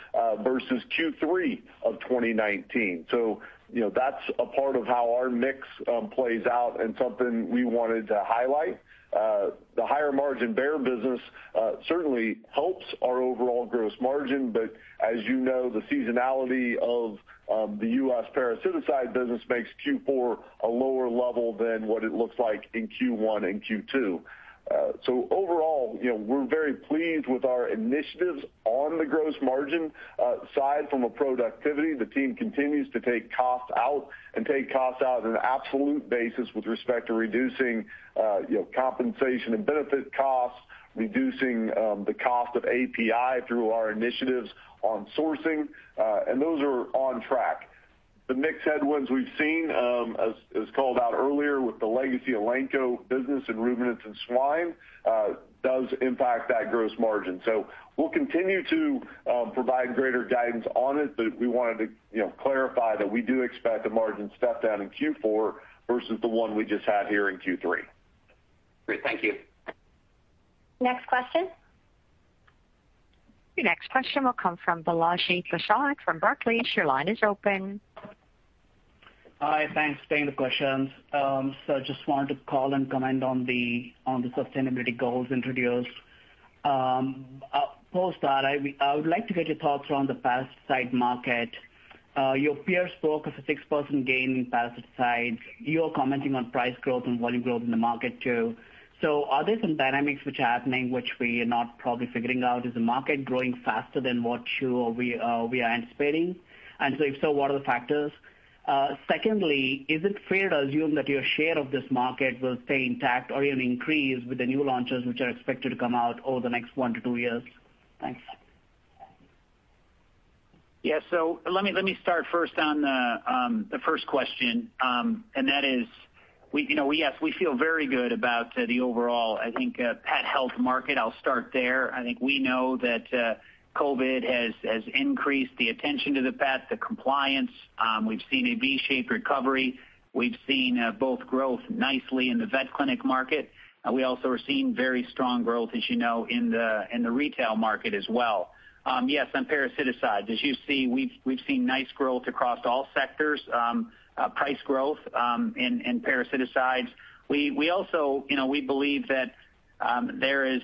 versus Q3 of 2019. So, you know, that's a part of how our mix plays out and something we wanted to highlight. The higher margin Bayer business certainly helps our overall gross margin, but as you know, the seasonality of the U.S. parasiticide business makes Q4 a lower level than what it looks like in Q1 and Q2. So overall, you know, we're very pleased with our initiatives on the gross margin side from a productivity. The team continues to take costs out and take costs out on an absolute basis with respect to reducing, you know, compensation and benefit costs, reducing the cost of API through our initiatives on sourcing, and those are on track. The mixed headwinds we've seen, as called out earlier with the legacy Elanco business and ruminants and swine, does impact that gross margin. So we'll continue to provide greater guidance on it, but we wanted to, you know, clarify that we do expect a margin step down in Q4 versus the one we just had here in Q3. Great. Thank you. Next question. Your next question will come from Balaji Prasad from Barclays. Your line is open. Hi, thanks. Thank you for the questions. So I just wanted to call and comment on the sustainability goals introduced. Post that, I would like to get your thoughts around the parasiticide market. Your peers spoke of a six percent gain in parasiticides. You're commenting on price growth and volume growth in the market too. So are there some dynamics which are happening which we are not probably figuring out? Is the market growing faster than what we are anticipating? And so if so, what are the factors? Secondly, is it fair to assume that your share of this market will stay intact or even increase with the new launches which are expected to come out over the next one to two years? Thanks. Yeah, so let me start first on the first question, and that is, you know, we yes, we feel very good about the overall, I think, pet health market. I'll start there. I think we know that COVID has increased the attention to the pet, the compliance. We've seen a V-shaped recovery. We've seen both growth nicely in the vet clinic market. We also are seeing very strong growth, as you know, in the retail market as well. Yes, on parasiticides, as you see, we've seen nice growth across all sectors, price growth in parasiticides. We also, you know, we believe that there is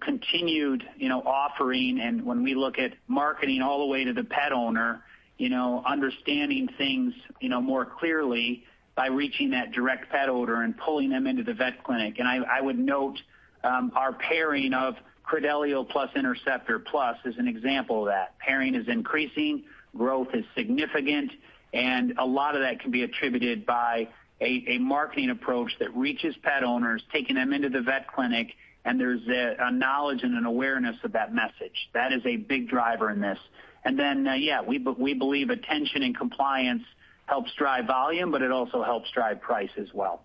continued, you know, offering, and when we look at marketing all the way to the pet owner, you know, understanding things, you know, more clearly by reaching that direct pet owner and pulling them into the vet clinic. I would note our pairing of Credelio plus Interceptor Plus is an example of that. Pairing is increasing, growth is significant, and a lot of that can be attributed by a marketing approach that reaches pet owners, taking them into the vet clinic, and there's a knowledge and an awareness of that message. That is a big driver in this. And then, yeah, we believe attention and compliance helps drive volume, but it also helps drive price as well.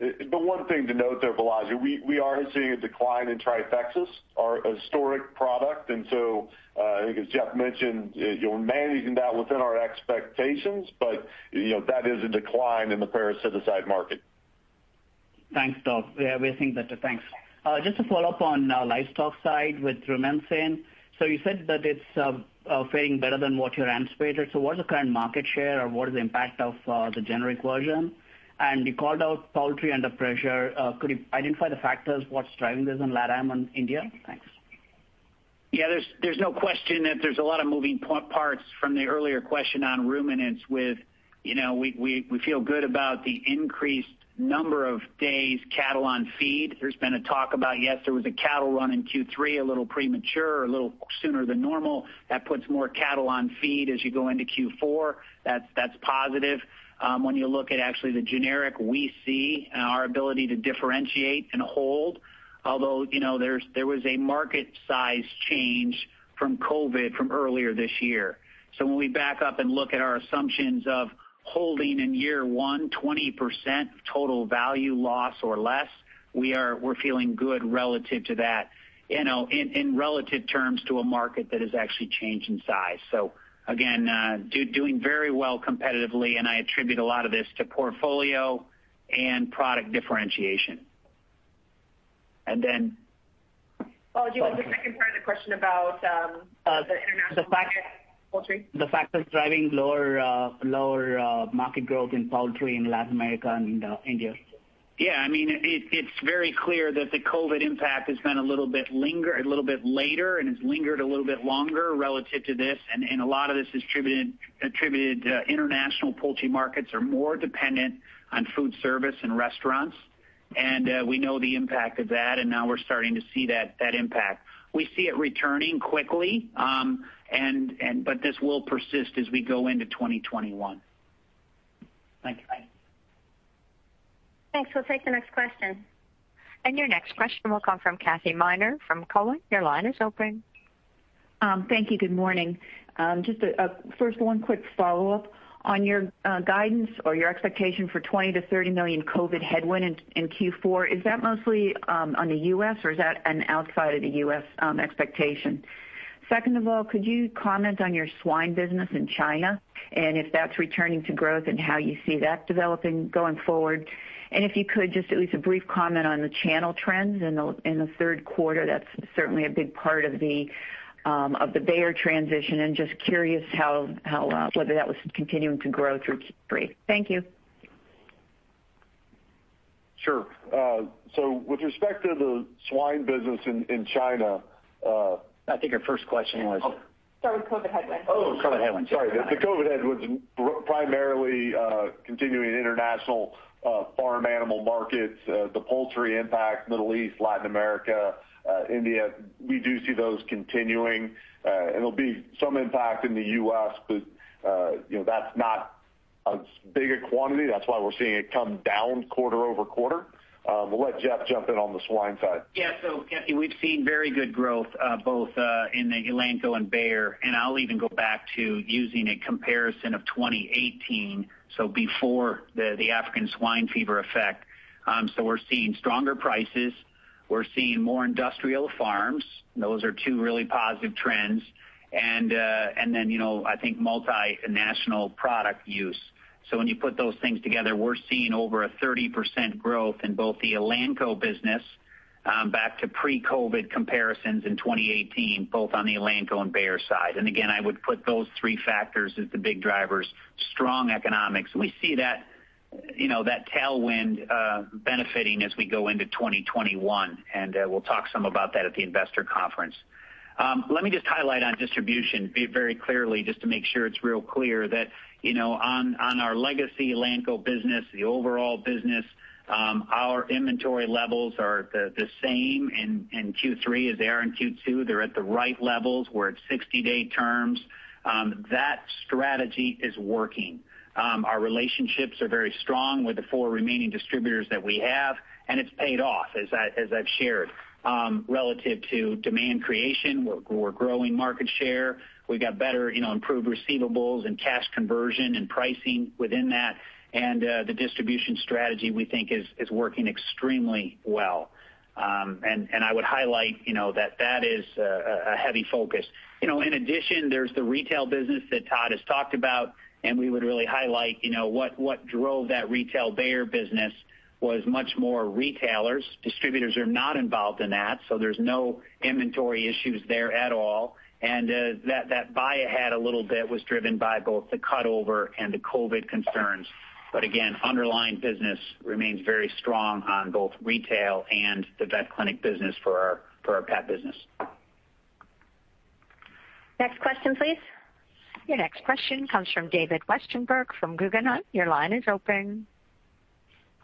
The one thing to note there, Balaji, we are seeing a decline in Trifexis, our historic product. And so, I think as Jeff mentioned, you're managing that within our expectations, but, you know, that is a decline in the parasiticide market. Thanks,. We think that, thanks. Just to follow up on livestock side with Rumensin, so you said that it's faring better than what you anticipated. So what is the current market share or what is the impact of the generic version? And you called out poultry under pressure. Could you identify the factors? What's driving this in Latin America and India? Thanks. Yeah, there's no question that there's a lot of moving parts from the earlier question on ruminants with, you know, we feel good about the increased number of days cattle on feed. There's been a talk about, yes, there was a cattle run in Q3, a little premature, a little sooner than normal. That puts more cattle on feed as you go into Q4. That's positive. When you look at actually the generic, we see our ability to differentiate and hold, although, you know, there was a market size change from COVID from earlier this year. So when we back up and look at our assumptions of holding in year one, 20% total value loss or less, we're feeling good relative to that, you know, in relative terms to a market that has actually changed in size. So again, doing very well competitively, and I attribute a lot of this to portfolio and product differentiation. And then, Balaji, what's the second part of the question about the international poultry? The fact that it's driving lower market growth in poultry in Latin America and India. Yeah, I mean, it's very clear that the COVID impact has been a little bit later, and it's lingered a little bit longer relative to this. And a lot of this is attributed to international poultry markets are more dependent on food service and restaurants. And we know the impact of that, and now we're starting to see that impact. We see it returning quickly, but this will persist as we go into 2021. Thank you. Thanks. We'll take the next question. And your next question will come from Kathy Miner from Cowen. Your line is open. Thank you. Good morning. Just first, one quick follow-up on your guidance or your expectation for $20 million-$30 million COVID headwind in Q4. Is that mostly on the U.S., or is that an outside of the U.S. expectation? Second of all, could you comment on your swine business in China and if that's returning to growth and how you see that developing going forward? And if you could, just at least a brief comment on the channel trends in the third quarter. That's certainly a big part of the Bayer transition, and just curious how, whether that was continuing to grow through Q3. Thank you. Sure. So with respect to the swine business in China, I think your first question was. Start with COVID headwind. Oh, COVID headwind. Sorry. The COVID headwinds are primarily continuing international farm animal markets, the poultry impact, Middle East, Latin America, India. We do see those continuing. And there'll be some impact in the U.S., but, you know, that's not as big a quantity. That's why we're seeing it come down quarter over quarter. We'll let Jeff jump in on the swine side. Yeah. So, Kathy, we've seen very good growth both in the Elanco and Bayer, and I'll even go back to using a comparison of 2018, so before the African swine fever effect. So we're seeing stronger prices. We're seeing more industrial farms. Those are two really positive trends. And then, you know, I think multinational product use. So when you put those things together, we're seeing over a 30% growth in both the Elanco business back to pre-COVID comparisons in 2018, both on the Elanco and Bayer side. And again, I would put those three factors as the big drivers: strong economics. We see that, you know, that tailwind benefiting as we go into 2021. We'll talk some about that at the investor conference. Let me just highlight on distribution very clearly, just to make sure it's real clear that, you know, on our legacy Elanco business, the overall business, our inventory levels are the same in Q3 as they are in Q2. They're at the right levels where it's 60-day terms. That strategy is working. Our relationships are very strong with the four remaining distributors that we have, and it's paid off, as I've shared, relative to demand creation. We're growing market share. We've got better, you know, improved receivables and cash conversion and pricing within that. The distribution strategy, we think, is working extremely well. I would highlight, you know, that that is a heavy focus. You know, in addition, there's the retail business that Todd has talked about, and we would really highlight, you know, what drove that retail Bayer business was much more retailers. Distributors are not involved in that, so there's no inventory issues there at all. And that buy ahead a little bit was driven by both the cutover and the COVID concerns. But again, underlying business remains very strong on both retail and the vet clinic business for our pet business. Next question, please. Your next question comes from David Westenberg from Guggenheim. Your line is open.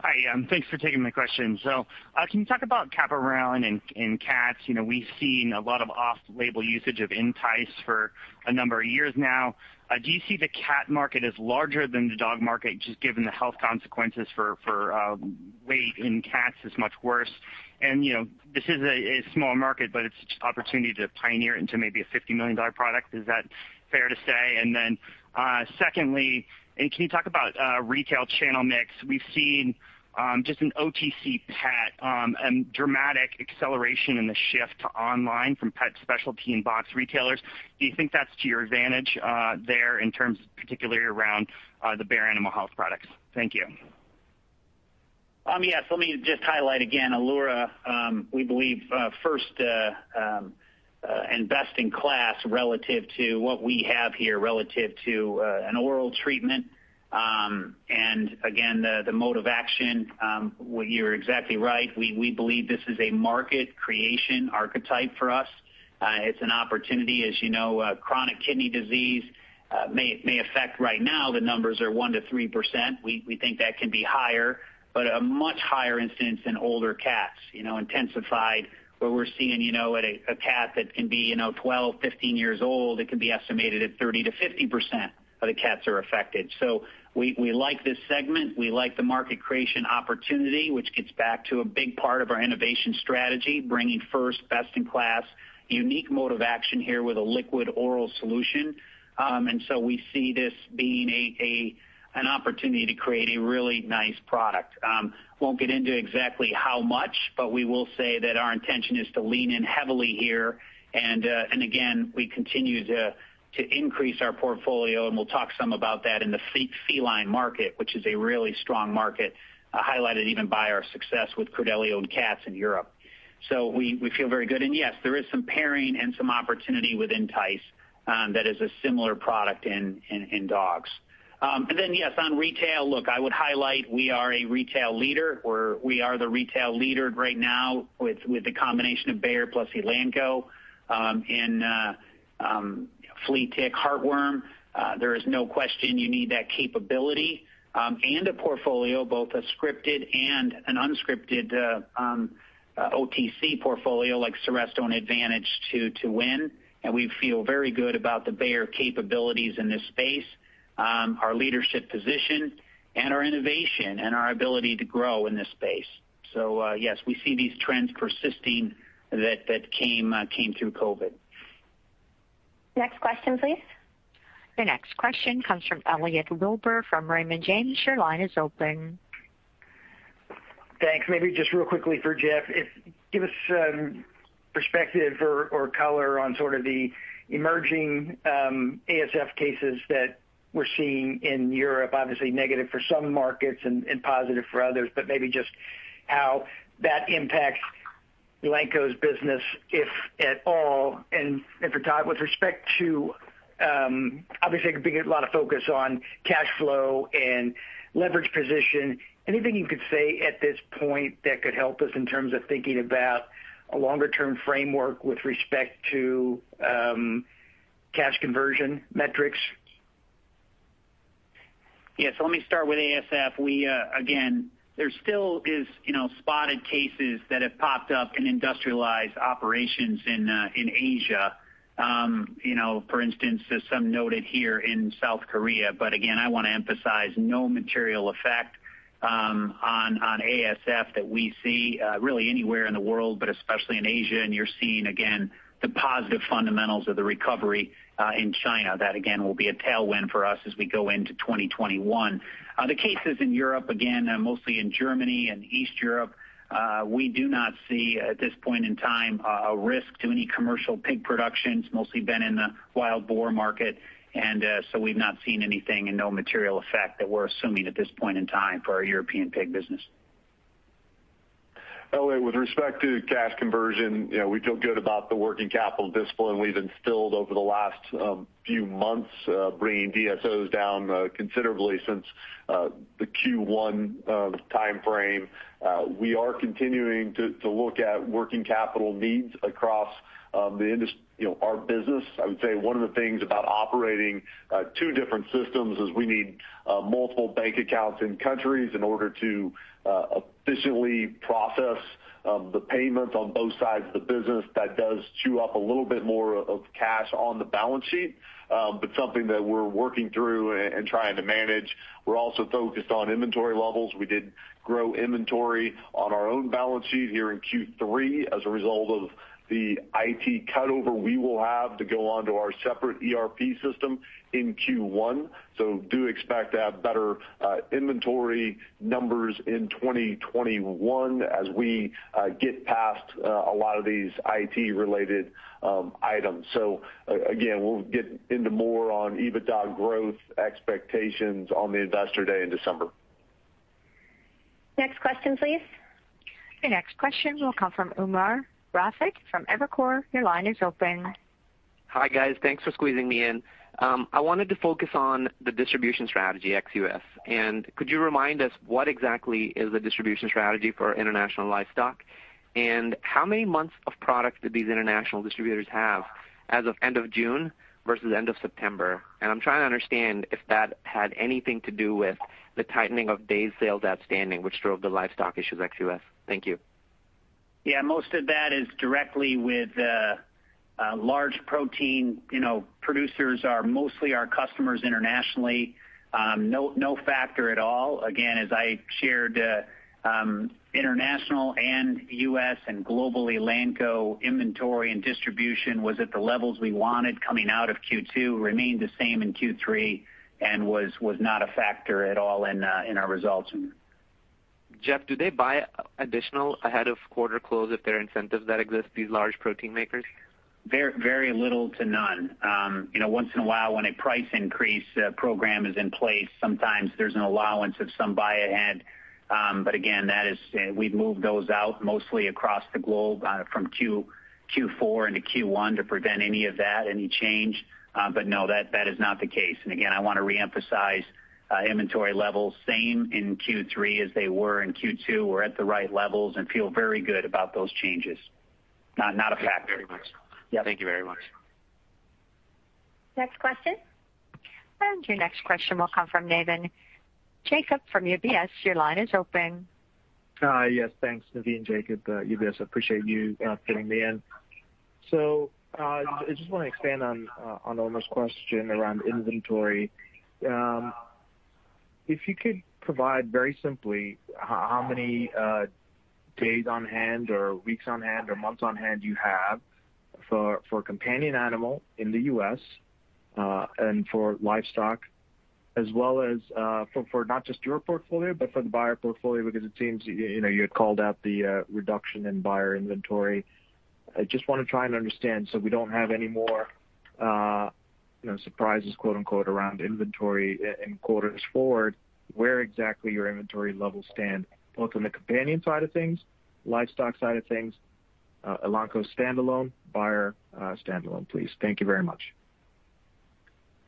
Hi, thanks for taking my question. So can you talk about capromorelin and cats? You know, we've seen a lot of off-label usage of Entyce for a number of years now. Do you see the cat market as larger than the dog market, just given the health consequences for weight in cats is much worse? And, you know, this is a small market, but it's an opportunity to pioneer into maybe a $50 million product. Is that fair to say? And then secondly, can you talk about retail channel mix? We've seen just an OTC pet and dramatic acceleration in the shift to online from pet specialty and big box retailers. Do you think that's to your advantage there in terms of particularly around the Bayer Animal Health products? Thank you. Yes. Let me just highlight again, Elura, we believe first and best in class relative to what we have here relative to an oral treatment. And again, the mode of action, you're exactly right. We believe this is a market creation archetype for us. It's an opportunity, as you know. Chronic kidney disease may affect, right now. The numbers are 1%-3%. We think that can be higher, but a much higher incidence in older cats, you know, intensified where we're seeing, you know, at a cat that can be, you know, 12-15 years old. It can be estimated at 30%-50% of the cats are affected. So we like this segment. We like the market creation opportunity, which gets back to a big part of our innovation strategy, bringing first, best in class, unique mode of action here with a liquid oral solution. And so we see this being an opportunity to create a really nice product. Won't get into exactly how much, but we will say that our intention is to lean in heavily here. Again, we continue to increase our portfolio, and we'll talk some about that in the feline market, which is a really strong market, highlighted even by our success with Credelio and cats in Europe. We feel very good. Yes, there is some pairing and some opportunity with Entyce that is a similar product in dogs. Yes, on retail, look, I would highlight we are a retail leader. We are the retail leader right now with the combination of Bayer plus Elanco in flea tick, heartworm. There is no question you need that capability and a portfolio, both a scripted and an unscripted OTC portfolio like Seresto and Advantage to win. We feel very good about the Bayer capabilities in this space, our leadership position, and our innovation and our ability to grow in this space. So yes, we see these trends persisting that came through COVID. Next question, please. Your next question comes from Elliot Wilbur from Raymond James. Your line is open. Thanks. Maybe just real quickly for Jeff, give us perspective or color on sort of the emerging ASF cases that we're seeing in Europe, obviously negative for some markets and positive for others, but maybe just how that impacts Elanco's business, if at all. And with respect to, obviously, a lot of focus on cash flow and leverage position, anything you could say at this point that could help us in terms of thinking about a longer-term framework with respect to cash conversion metrics? Yeah, so let me start with ASF. Again, there still is, you know, spotted cases that have popped up in industrialized operations in Asia. You know, for instance, some noted here in South Korea. But again, I want to emphasize no material effect on ASF that we see really anywhere in the world, but especially in Asia. And you're seeing, again, the positive fundamentals of the recovery in China that, again, will be a tailwind for us as we go into 2021. The cases in Europe, again, mostly in Germany and Eastern Europe, we do not see at this point in time a risk to any commercial pig production. It's mostly been in the wild boar market. And so we've not seen anything and no material effect that we're assuming at this point in time for our European pig business. Elliott, with respect to cash conversion, you know, we feel good about the working capital discipline we've instilled over the last few months, bringing DSOs down considerably since the Q1 time frame. We are continuing to look at working capital needs across the industry, you know, our business. I would say one of the things about operating two different systems is we need multiple bank accounts in countries in order to efficiently process the payments on both sides of the business. That does chew up a little bit more of cash on the balance sheet, but something that we're working through and trying to manage. We're also focused on inventory levels. We did grow inventory on our own balance sheet here in Q3 as a result of the IT cutover, we will have to go on to our separate ERP system in Q1. So do expect to have better inventory numbers in 2021 as we get past a lot of these IT-related items. So again, we'll get into more on EBITDA growth expectations on the Investor Day in December. Next question, please. Your next question will come from Umer Raffat from Evercore ISI. Your line is open. Hi guys. Thanks for squeezing me in. I wanted to focus on the distribution strategy at ex-U.S. and could you remind us what exactly is the distribution strategy for international livestock? And how many months of product did these international distributors have as of end of June versus end of September? And I'm trying to understand if that had anything to do with the tightening of day sales outstanding, which drove the livestock issues at ex-U.S.? Thank you. Yeah. Most of that is directly with large protein, you know, producers are mostly our customers internationally. No factor at all. Again, as I shared, international and U.S. And globally, Elanco inventory and distribution was at the levels we wanted coming out of Q2, remained the same in Q3, and was not a factor at all in our results. Jeff, do they buy additional ahead of quarter close if there are incentives that exist, these large protein makers? Very little to none. You know, once in a while, when a price increase program is in place, sometimes there's an allowance of some buy ahead. But again, that is, we've moved those out mostly across the globe from Q4 into Q1 to prevent any of that, any change. But no, that is not the case. And again, I want to reemphasize inventory levels, same in Q3 as they were in Q2. We're at the right levels and feel very good about those changes. Not a factor. Thank you very much. Yeah. Thank you very much. Next question. Your next question will come from Navin Jacob from UBS. Your line is open. Yes. Thanks, Navin Jacob, UBS. I appreciate you fitting me in. So I just want to expand on Umer's question around inventory. If you could provide very simply how many days on hand or weeks on hand or months on hand you have for companion animal in the U.S. and for livestock, as well as for not just your portfolio, but for the Bayer portfolio, because it seems you had called out the reduction in Bayer inventory. I just want to try and understand so we don't have any more, you know, surprises, quote unquote, around inventory in quarters forward. Where exactly do your inventory levels stand, both on the companion side of things, livestock side of things, Elanco standalone, Bayer standalone, please? Thank you very much.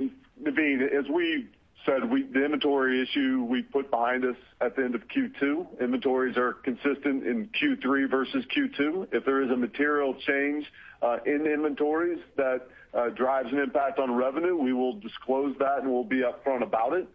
Navin, as we said, the inventory issue we put behind us at the end of Q2. Inventories are consistent in Q3 versus Q2. If there is a material change in inventories that drives an impact on revenue, we will disclose that and we'll be upfront about it.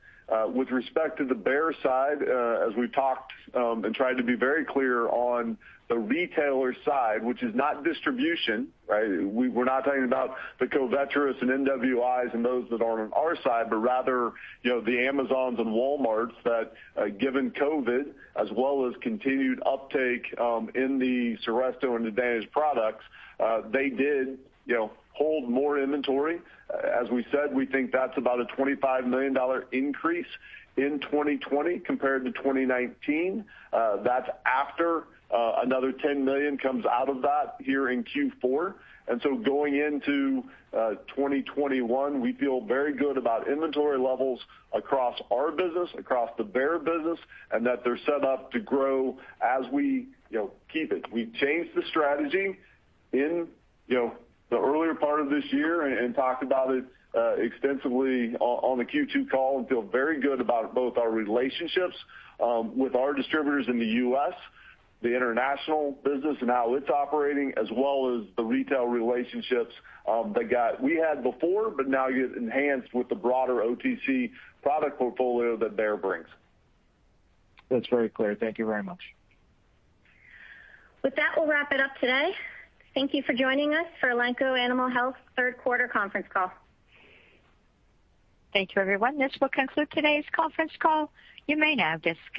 With respect to the Bayer side, as we talked and tried to be very clear on the retailer side, which is not distribution, right? We're not talking about the Covetrus and MWIs and those that are on our side, but rather, you know, the Amazons and Walmarts that, given COVID, as well as continued uptake in the Seresto and Advantage products, they did, you know, hold more inventory. As we said, we think that's about a $25 million increase in 2020 compared to 2019. That's after another $10 million comes out of that here in Q4. And so going into 2021, we feel very good about inventory levels across our business, across the Bayer business, and that they're set up to grow as we, you know, keep it. We changed the strategy in, you know, the earlier part of this year and talked about it extensively on the Q2 call and feel very good about both our relationships with our distributors in the U.S., the international business and how it's operating, as well as the retail relationships that we had before, but now get enhanced with the broader OTC product portfolio that Bayer brings. That's very clear. Thank you very much. With that, we'll wrap it up today. Thank you for joining us for Elanco Animal Health third quarter conference call. Thank you, everyone. This will conclude today's conference call. You may now disconnect.